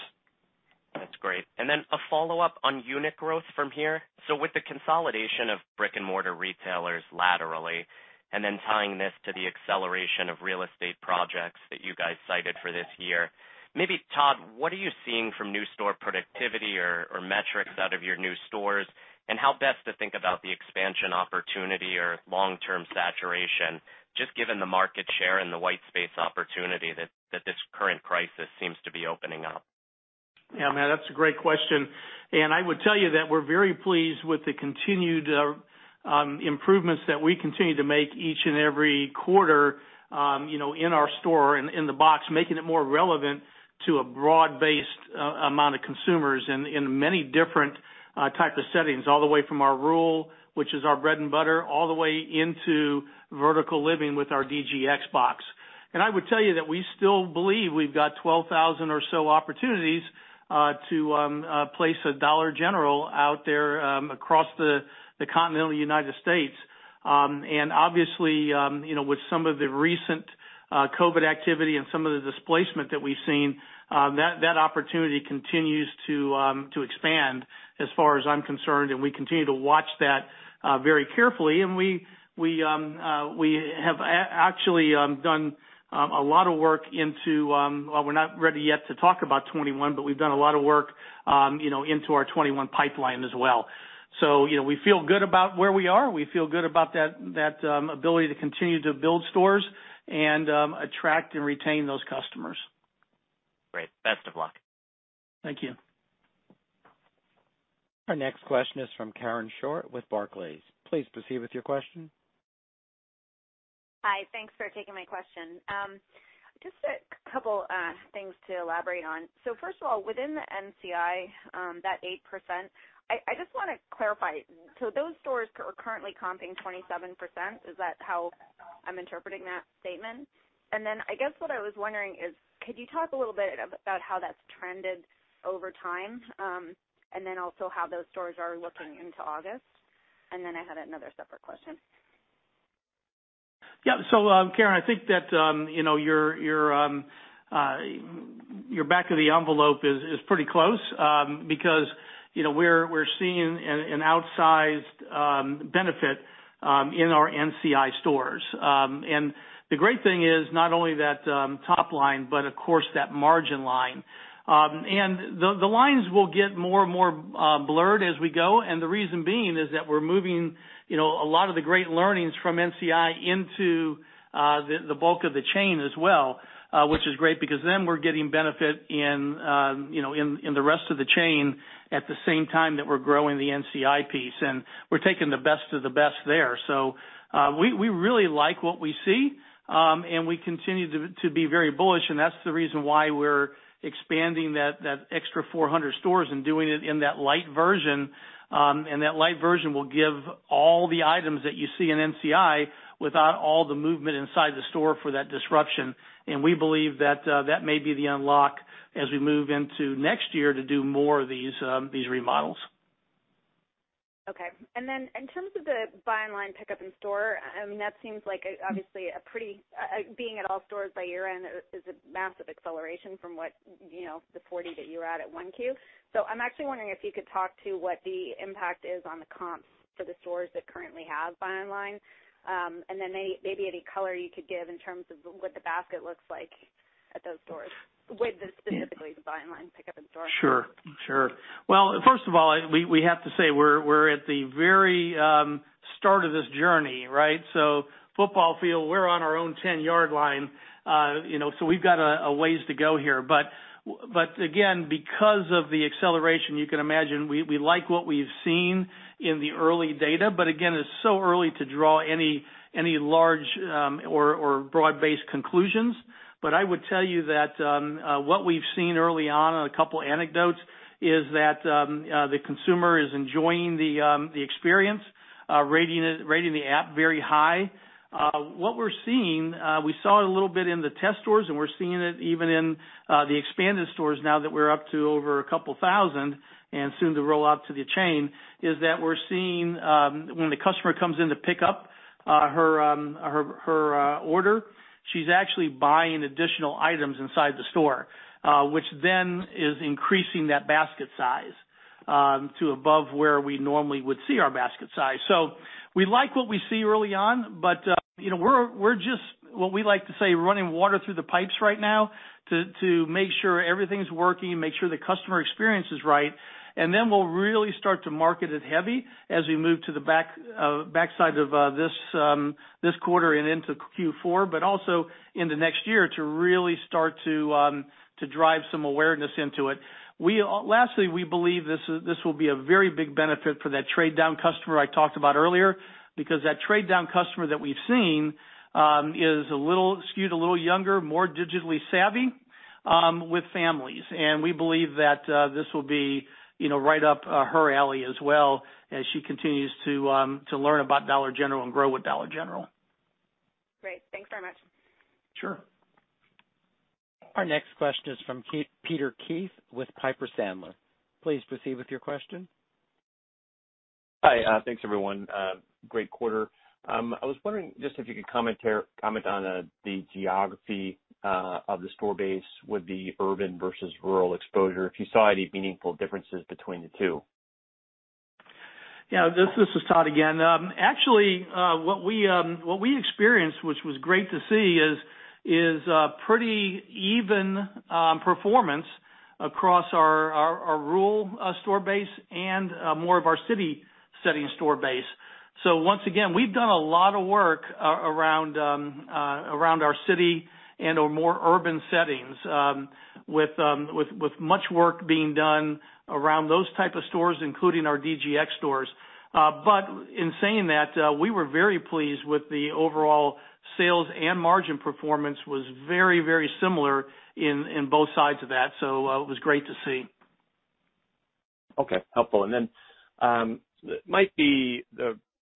That's great. A follow-up on unit growth from here. With the consolidation of brick and mortar retailers laterally, and then tying this to the acceleration of real estate projects that you guys cited for this year, maybe, Todd, what are you seeing from new store productivity or metrics out of your new stores, and how best to think about the expansion opportunity or long-term saturation, just given the market share and the white space opportunity that this current crisis seems to be opening up? Yeah, Matt, that's a great question. I would tell you that we're very pleased with the continued improvements that we continue to make each and every quarter in our store and in the box, making it more relevant to a broad-based amount of consumers in many different type of settings, all the way from our rural, which is our bread and butter, all the way into vertical living with our DGX box. I would tell you that we still believe we've got 12,000 or so opportunities to place a Dollar General out there across the continental U.S. Obviously, with some of the recent COVID activity and some of the displacement that we've seen, that opportunity continues to expand as far as I'm concerned, and we continue to watch that very carefully. We have actually done a lot of work. We're not ready yet to talk about 2021, but we've done a lot of work into our 2021 pipeline as well. We feel good about where we are. We feel good about that ability to continue to build stores and attract and retain those customers. Great. Best of luck. Thank you. Our next question is from Karen Short with Barclays. Please proceed with your question. Hi. Thanks for taking my question. Just a couple things to elaborate on. First of all, within the NCI, that 8%, I just want to clarify. Those stores are currently comping 27%, is that how I'm interpreting that statement? I guess what I was wondering is, could you talk a little bit about how that's trended over time, and then also how those stores are looking into August? I had another separate question. Yeah. Karen, I think that your back of the envelope is pretty close, because we're seeing an outsized benefit in our NCI stores. The great thing is not only that top line, but of course, that margin line. The lines will get more and more blurred as we go, and the reason being is that we're moving a lot of the great learnings from NCI into the bulk of the chain as well, which is great because then we're getting benefit in the rest of the chain at the same time that we're growing the NCI piece, and we're taking the best of the best there. We really like what we see, and we continue to be very bullish, and that's the reason why we're expanding that extra 400 stores and doing it in that lite version. That lite version will give all the items that you see in NCI without all the movement inside the store for that disruption. We believe that may be the unlock as we move into next year to do more of these remodels. Okay. In terms of the buy online, pickup in store, that seems like obviously being at all stores by year-end is a massive acceleration from the 40 that you were at 1Q. I'm actually wondering if you could talk to what the impact is on the comps for the stores that currently have buy online. Maybe any color you could give in terms of what the basket looks like at those stores with specifically the buy online, pickup in store. Sure. Well, first of all, we have to say we're at the very start of this journey, right? Football field, we're on our own 10 yd line, so we've got a ways to go here. Again, because of the acceleration, you can imagine we like what we've seen in the early data, but again, it's so early to draw any large or broad-based conclusions. I would tell you that what we've seen early on a couple anecdotes, is that the consumer is enjoying the experience, rating the app very high. What we're seeing, we saw it a little bit in the test stores. We're seeing it even in the expanded stores now that we're up to over 2,000 and soon to roll out to the chain, is that we're seeing when the customer comes in to pick up her order, she's actually buying additional items inside the store, which then is increasing that basket size to above where we normally would see our basket size. We like what we see early on. We're just, what we like to say, running water through the pipes right now to make sure everything's working and make sure the customer experience is right. We'll really start to market it heavy as we move to the backside of this quarter and into Q4, but also in the next year to really start to drive some awareness into it. Lastly, we believe this will be a very big benefit for that trade-down customer I talked about earlier, because that trade-down customer that we've seen is skewed a little younger, more digitally savvy, with families. We believe that this will be right up her alley as well as she continues to learn about Dollar General and grow with Dollar General. Great. Thanks very much. Sure. Our next question is from Peter Keith with Piper Sandler. Please proceed with your question. Hi. Thanks, everyone. Great quarter. I was wondering just if you could comment on the geography of the store base with the urban versus rural exposure, if you saw any meaningful differences between the two. Yeah. This is Todd again. Actually, what we experienced, which was great to see, is pretty even performance across our rural store base and more of our city setting store base. Once again, we've done a lot of work around our city and our more urban settings, with much work being done around those type of stores, including our DGX stores. In saying that, we were very pleased with the overall sales and margin performance was very similar in both sides of that. It was great to see. Okay. Helpful.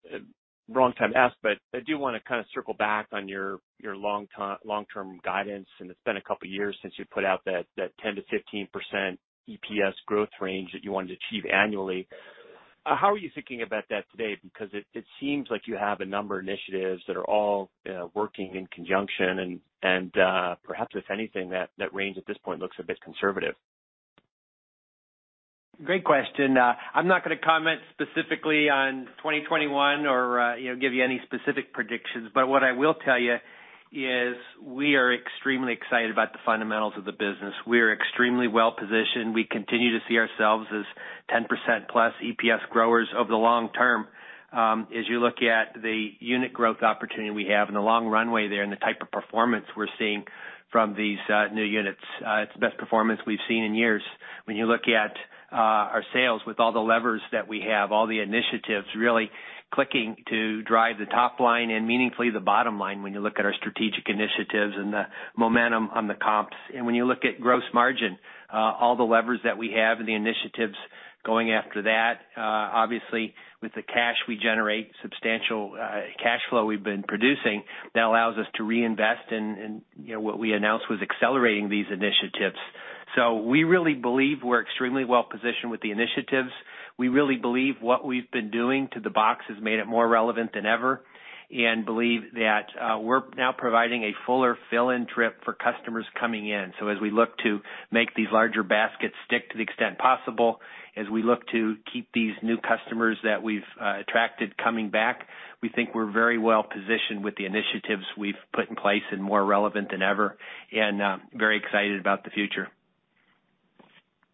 Might be the wrong time to ask, but I do want to kind of circle back on your long-term guidance, and it's been a couple of years since you put out that 10%-15% EPS growth range that you wanted to achieve annually. How are you thinking about that today? Because it seems like you have a number of initiatives that are all working in conjunction, and perhaps if anything, that range at this point looks a bit conservative. Great question. I'm not going to comment specifically on 2021 or give you any specific predictions. What I will tell you is we are extremely excited about the fundamentals of the business. We are extremely well-positioned. We continue to see ourselves as 10% plus EPS growers over the long term. As you look at the unit growth opportunity we have and the long runway there and the type of performance we're seeing from these new units, it's the best performance we've seen in years. When you look at our sales with all the levers that we have, all the initiatives really clicking to drive the top line and meaningfully the bottom line when you look at our strategic initiatives and the momentum on the comps, and when you look at gross margin, all the levers that we have and the initiatives going after that. Obviously, with the cash we generate, substantial cash flow we've been producing, that allows us to reinvest in what we announced was accelerating these initiatives. We really believe we're extremely well-positioned with the initiatives. We really believe what we've been doing to the box has made it more relevant than ever and believe that we're now providing a fuller fill-in trip for customers coming in. As we look to make these larger baskets stick to the extent possible, as we look to keep these new customers that we've attracted coming back, we think we're very well-positioned with the initiatives we've put in place and more relevant than ever, and very excited about the future.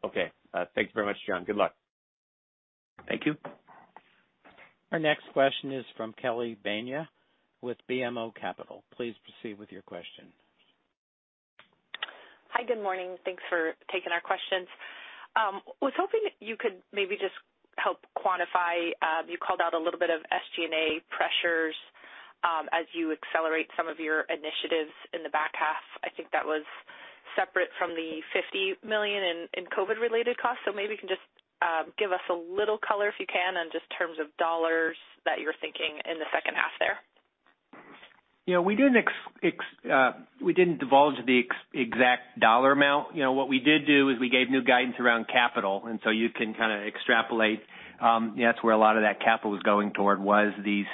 Okay. Thanks very much, John. Good luck. Thank you. Our next question is from Kelly Bania with BMO Capital. Please proceed with your question. Hi, good morning. Thanks for taking our questions. I was hoping you could maybe just help quantify, you called out a little bit of SG&A pressures as you accelerate some of your initiatives in the back half. I think that was separate from the $50 million in COVID related costs. Maybe you can just give us a little color, if you can, on just terms of dollars that you're thinking in the second half there. We didn't divulge the exact dollar amount. What we did do is we gave new guidance around capital, and so you can kind of extrapolate. That's where a lot of that capital was going toward was these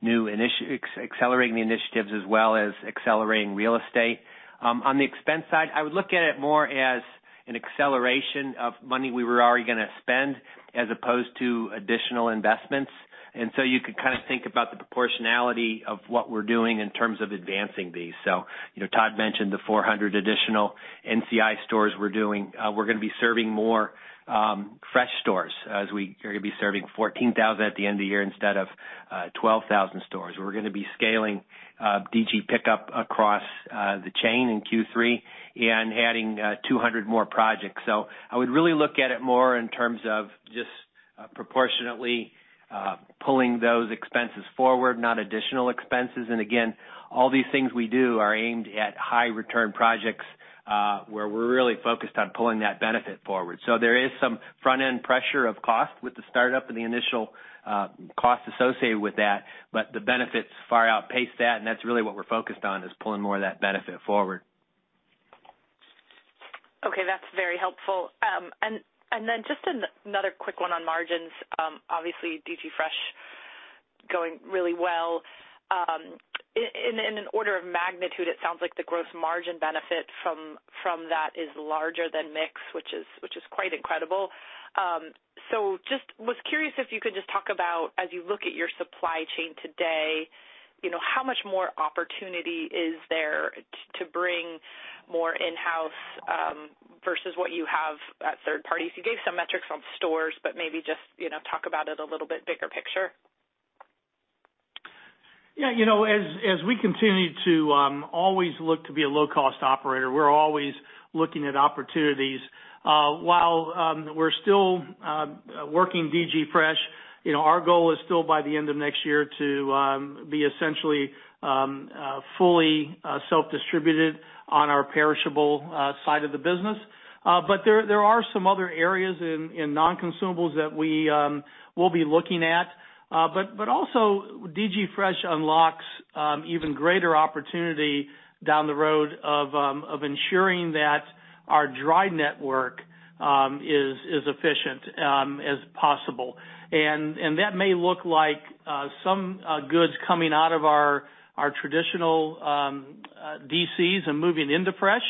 new accelerating initiatives as well as accelerating real estate. On the expense side, I would look at it more as an acceleration of money we were already going to spend as opposed to additional investments. You could kind of think about the proportionality of what we're doing in terms of advancing these. Todd mentioned the 400 additional NCI stores we're doing. We're going to be serving more fresh stores as we're going to be serving 14,000 at the end of the year instead of 12,000 stores. We're going to be scaling DG Pickup across the chain in Q3 and adding 200 more projects. I would really look at it more in terms of just proportionately pulling those expenses forward, not additional expenses. Again, all these things we do are aimed at high return projects, where we're really focused on pulling that benefit forward. There is some front-end pressure of cost with the startup and the initial cost associated with that, but the benefits far outpace that, and that's really what we're focused on is pulling more of that benefit forward. Okay, that's very helpful. Then just another quick one on margins. Obviously, DG Fresh going really well. In an order of magnitude, it sounds like the gross margin benefit from that is larger than mix, which is quite incredible. Just was curious if you could just talk about, as you look at your supply chain today, how much more opportunity is there to bring more in-house versus what you have at third parties. You gave some metrics on stores, but maybe just talk about it a little bit bigger picture. Yeah. As we continue to always look to be a low-cost operator, we're always looking at opportunities. While we're still working DG Fresh, our goal is still by the end of next year to be essentially fully self-distributed on our perishable side of the business. There are some other areas in non-consumables that we will be looking at. Also, DG Fresh unlocks even greater opportunity down the road of ensuring that our dry network is as efficient as possible. That may look like some goods coming out of our traditional DCs and moving into fresh,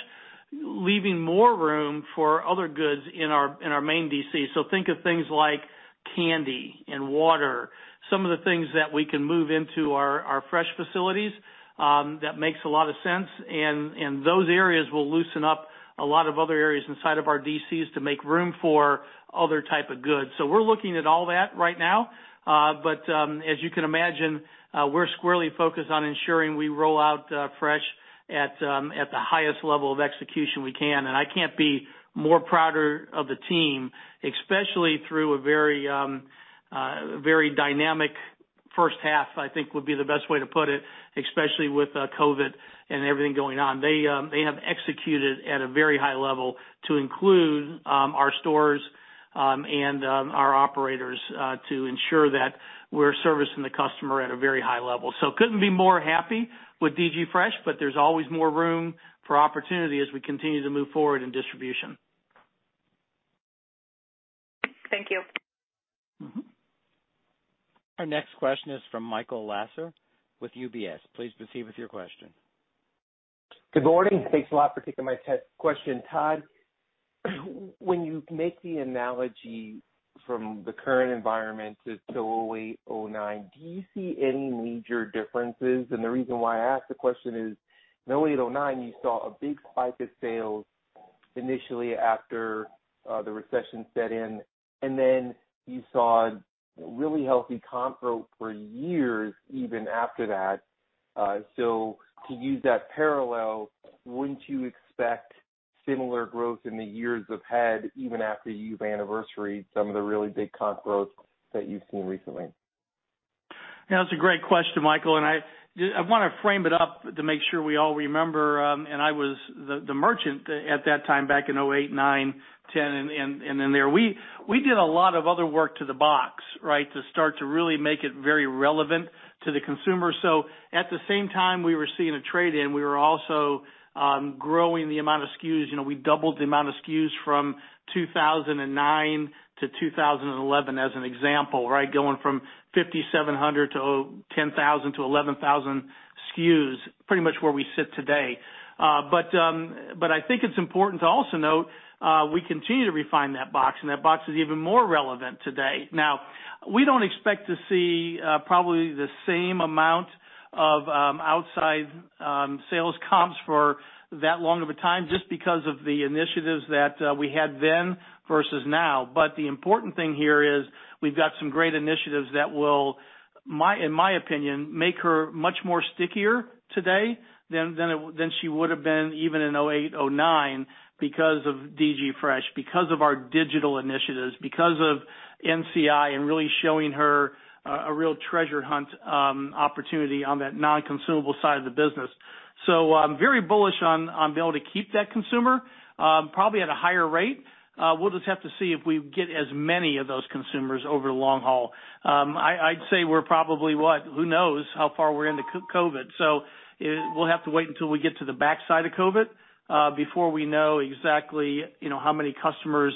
leaving more room for other goods in our main DC. Think of things like candy and water, some of the things that we can move into our fresh facilities that makes a lot of sense, and those areas will loosen up a lot of other areas inside of our DCs to make room for other type of goods. We're looking at all that right now. As you can imagine, we're squarely focused on ensuring we roll out fresh at the highest level of execution we can. I can't be more prouder of the team, especially through a very dynamic first half, I think, would be the best way to put it, especially with COVID and everything going on. They have executed at a very high level to include our stores and our operators, to ensure that we're servicing the customer at a very high level. Couldn't be more happy with DG Fresh, but there's always more room for opportunity as we continue to move forward in distribution. Thank you. Our next question is from Michael Lasser with UBS. Please proceed with your question. Good morning. Thanks a lot for taking my question. Todd, when you make the analogy from the current environment to 2008, 2009, do you see any major differences? The reason why I ask the question is in 2008, 2009, you saw a big spike of sales initially after the recession set in, and then you saw really healthy comp growth for years even after that. To use that parallel, wouldn't you expect similar growth in the years ahead, even after you've anniversaried some of the really big comp growth that you've seen recently? Yeah, that's a great question, Michael. I want to frame it up to make sure we all remember. I was the merchant at that time back in 2008, 2009, 2010, and in there. We did a lot of other work to the box, to start to really make it very relevant to the consumer. At the same time we were seeing a trade-in, we were also growing the amount of SKUs. We doubled the amount of SKUs from 2009-2011 as an example. Going from 5,700 to 10,000-11,000 SKUs, pretty much where we sit today. I think it's important to also note, we continue to refine that box, and that box is even more relevant today. We don't expect to see probably the same amount of outside sales comps for that long of a time, just because of the initiatives that we had then versus now. The important thing here is we've got some great initiatives that will, in my opinion, make her much more stickier today than she would've been even in 2008, 2009 because of DG Fresh, because of our digital initiatives, because of NCI and really showing her a real treasure hunt opportunity on that non-consumable side of the business. I'm very bullish on being able to keep that consumer, probably at a higher rate. We'll just have to see if we get as many of those consumers over the long haul. I'd say we're probably what, who knows how far we're into COVID. We'll have to wait until we get to the backside of COVID before we know exactly how many customers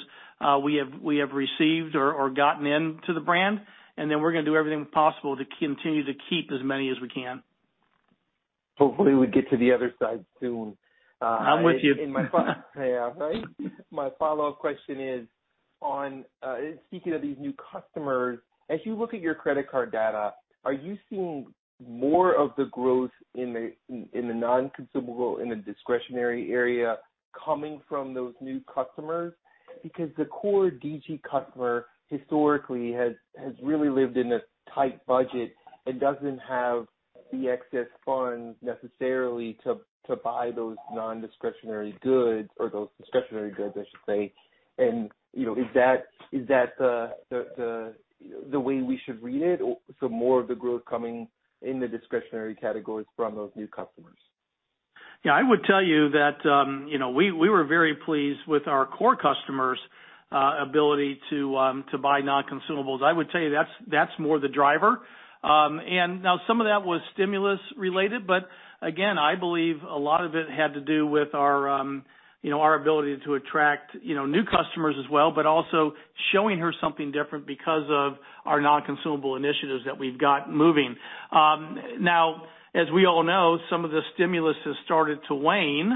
we have received or gotten into the brand. Then we're going to do everything possible to continue to keep as many as we can. Hopefully we get to the other side soon. I'm with you. Yeah. Right. My follow-up question is on, speaking of these new customers, as you look at your credit card data, are you seeing more of the growth in the non-consumable, in the discretionary area coming from those new customers? Because the core DG customer historically has really lived in a tight budget and doesn't have the excess funds necessarily to buy those non-discretionary goods, or those discretionary goods, I should say. Is that the way we should read it? More of the growth coming in the discretionary categories from those new customers. Yeah, I would tell you that we were very pleased with our core customers' ability to buy non-consumables. I would tell you that's more the driver. Some of that was stimulus related, but again, I believe a lot of it had to do with our ability to attract new customers as well, but also showing her something different because of our Non-Consumable Initiatives that we've got moving. Now, as we all know, some of the stimulus has started to wane.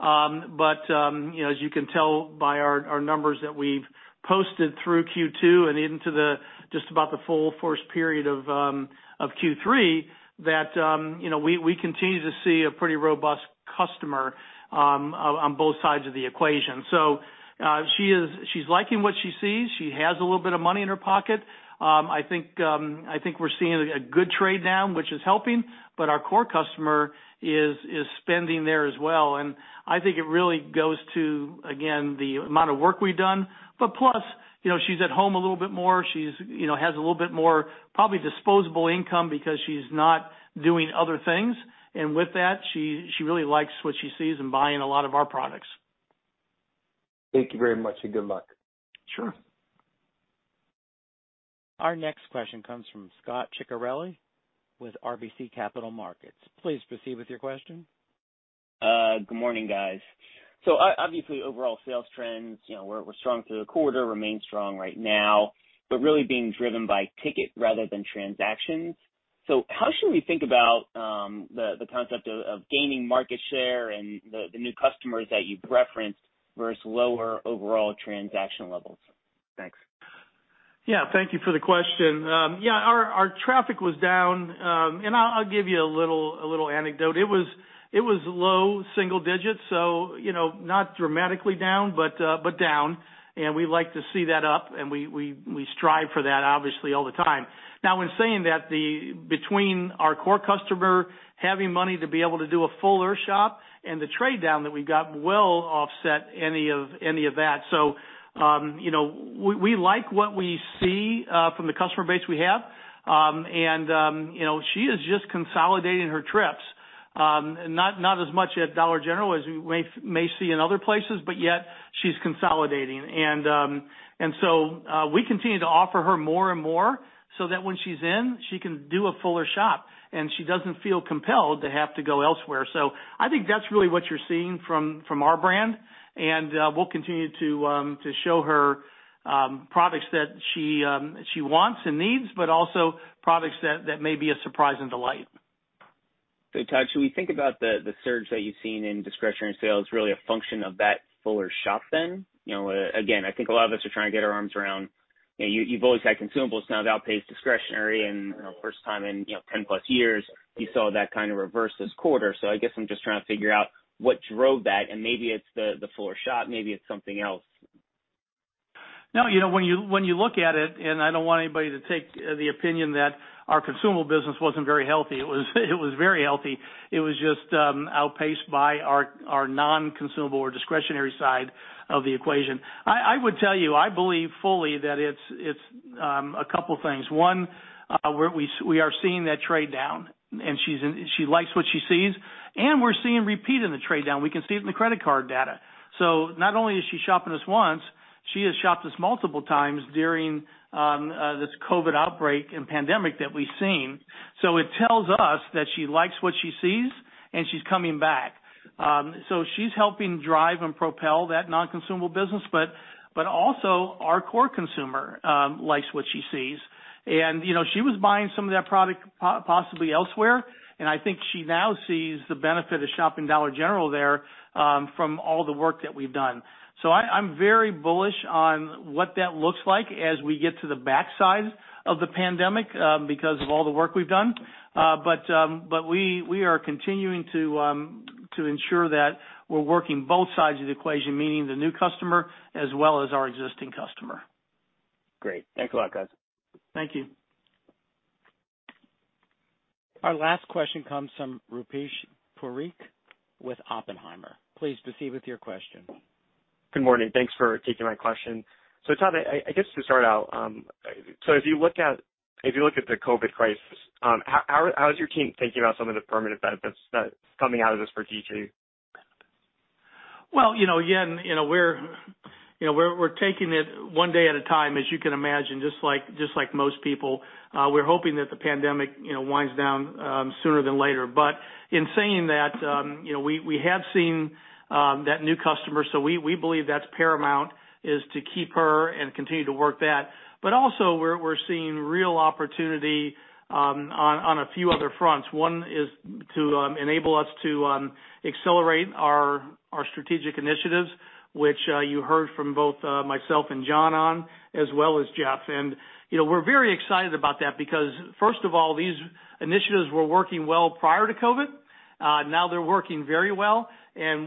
As you can tell by our numbers that we've posted through Q2 and into just about the full first period of Q3, that we continue to see a pretty robust customer on both sides of the equation. She's liking what she sees. She has a little bit of money in her pocket. I think we're seeing a good trade down, which is helping. Our core customer is spending there as well. I think it really goes to, again, the amount of work we've done. Plus, she's at home a little bit more. She has a little bit more probably disposable income because she's not doing other things. With that, she really likes what she sees and buying a lot of our products. Thank you very much, and good luck. Sure. Our next question comes from Scot Ciccarelli with RBC Capital Markets. Please proceed with your question. Good morning, guys. Obviously, overall sales trends were strong through the quarter, remain strong right now, but really being driven by ticket rather than transactions. How should we think about the concept of gaining market share and the new customers that you've referenced versus lower overall transaction levels? Thanks. Yeah. Thank you for the question. Our traffic was down. I'll give you a little anecdote. It was low single digits, not dramatically down, but down. We like to see that up, and we strive for that obviously all the time. Now in saying that, between our core customer having money to be able to do a fuller shop and the trade down that we've got will offset any of that. We like what we see from the customer base we have. She is just consolidating her trips. Not as much at Dollar General as we may see in other places, but yet she's consolidating. We continue to offer her more and more so that when she's in, she can do a fuller shop, and she doesn't feel compelled to have to go elsewhere. I think that's really what you're seeing from our brand, and we'll continue to show her products that she wants and needs, but also products that may be a surprise and delight. Todd, should we think about the surge that you've seen in discretionary sales really a function of that fuller shop then? Again, I think a lot of us are trying to get our arms around. You've always had consumables now have outpaced discretionary and first time in 10+ years, you saw that kind of reverse this quarter. I guess I'm just trying to figure out what drove that and maybe it's the fuller shop, maybe it's something else. No, when you look at it, I don't want anybody to take the opinion that our consumable business wasn't very healthy. It was very healthy. It was just outpaced by our non-consumable or discretionary side of the equation. I would tell you, I believe fully that it's a couple things. One, we are seeing that trade down, she likes what she sees, we're seeing repeat in the trade down. We can see it in the credit card data. Not only is she shopping us once, she has shopped us multiple times during this COVID outbreak and pandemic that we've seen. It tells us that she likes what she sees, she's coming back. She's helping drive and propel that non-consumable business, also our core consumer likes what she sees. She was buying some of that product possibly elsewhere, and I think she now sees the benefit of shopping Dollar General there, from all the work that we've done. I'm very bullish on what that looks like as we get to the backside of the pandemic, because of all the work we've done. We are continuing to ensure that we're working both sides of the equation, meaning the new customer as well as our existing customer. Great. Thanks a lot, guys. Thank you. Our last question comes from Rupesh Parikh with Oppenheimer. Please proceed with your question. Good morning. Thanks for taking my question. Todd, I guess to start out, if you look at the COVID crisis, how is your team thinking about some of the permanent benefits that's coming out of this for DG? Well, again, we're taking it one day at a time, as you can imagine, just like most people. In saying that, we have seen that new customer, so we believe that's paramount is to keep her and continue to work that. Also, we're seeing real opportunity on a few other fronts. One is to enable us to accelerate our strategic initiatives, which you heard from both myself and John on, as well as Jeff. We're very excited about that because first of all, these initiatives were working well prior to COVID-19. They're working very well,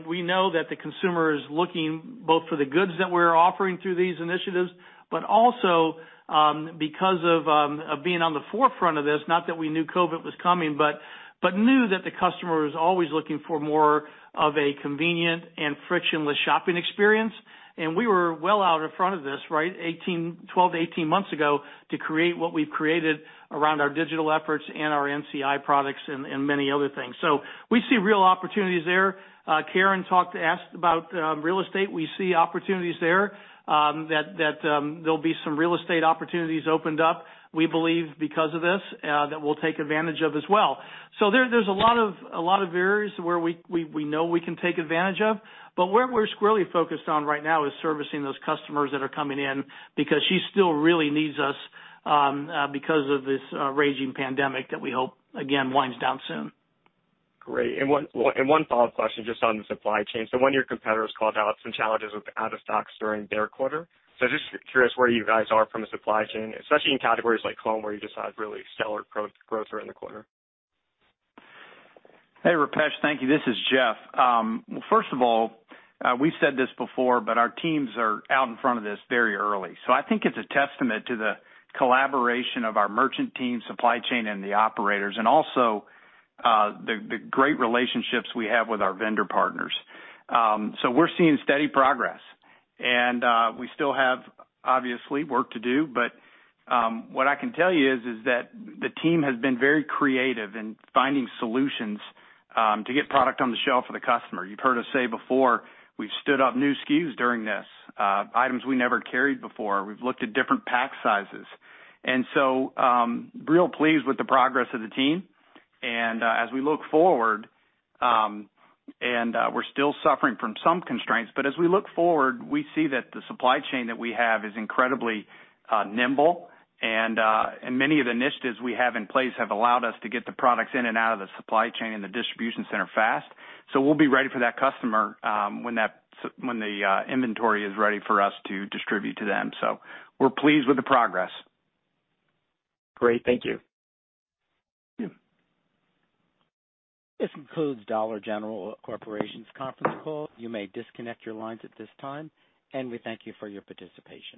we know that the consumer is looking both for the goods that we're offering through these initiatives, but also because of being on the forefront of this, not that we knew COVID was coming, but knew that the customer was always looking for more of a convenient and frictionless shopping experience. We were well out in front of this 12 to 18 months ago to create what we've created around our digital efforts and our NCI products and many other things. We see real opportunities there. Karen asked about real estate. We see opportunities there, that there'll be some real estate opportunities opened up, we believe because of this, that we'll take advantage of as well. There's a lot of areas where we know we can take advantage of, but where we're squarely focused on right now is servicing those customers that are coming in because she still really needs us, because of this raging pandemic that we hope, again, winds down soon. Great. One follow-up question just on the supply chain. One of your competitors called out some challenges with out of stocks during their quarter. Just curious where you guys are from a supply chain, especially in categories like home, where you just had really stellar growth during the quarter? Hey, Rupesh. Thank you. This is Jeff. First of all, we've said this before, our teams are out in front of this very early. I think it's a testament to the collaboration of our merchant team, supply chain, and the operators, and also, the great relationships we have with our vendor partners. We're seeing steady progress, and we still have, obviously, work to do, but what I can tell you is that the team has been very creative in finding solutions to get product on the shelf for the customer. You've heard us say before, we've stood up new SKUs during this, items we never carried before. We've looked at different pack sizes. We are real pleased with the progress of the team and as we look forward, and we're still suffering from some constraints, but as we look forward, we see that the supply chain that we have is incredibly nimble and many of the initiatives we have in place have allowed us to get the products in and out of the supply chain and the distribution center fast. We'll be ready for that customer when the inventory is ready for us to distribute to them. We're pleased with the progress. Great. Thank you. Yeah. This concludes Dollar General Corporation's conference call. You may disconnect your lines at this time, and we thank you for your participation.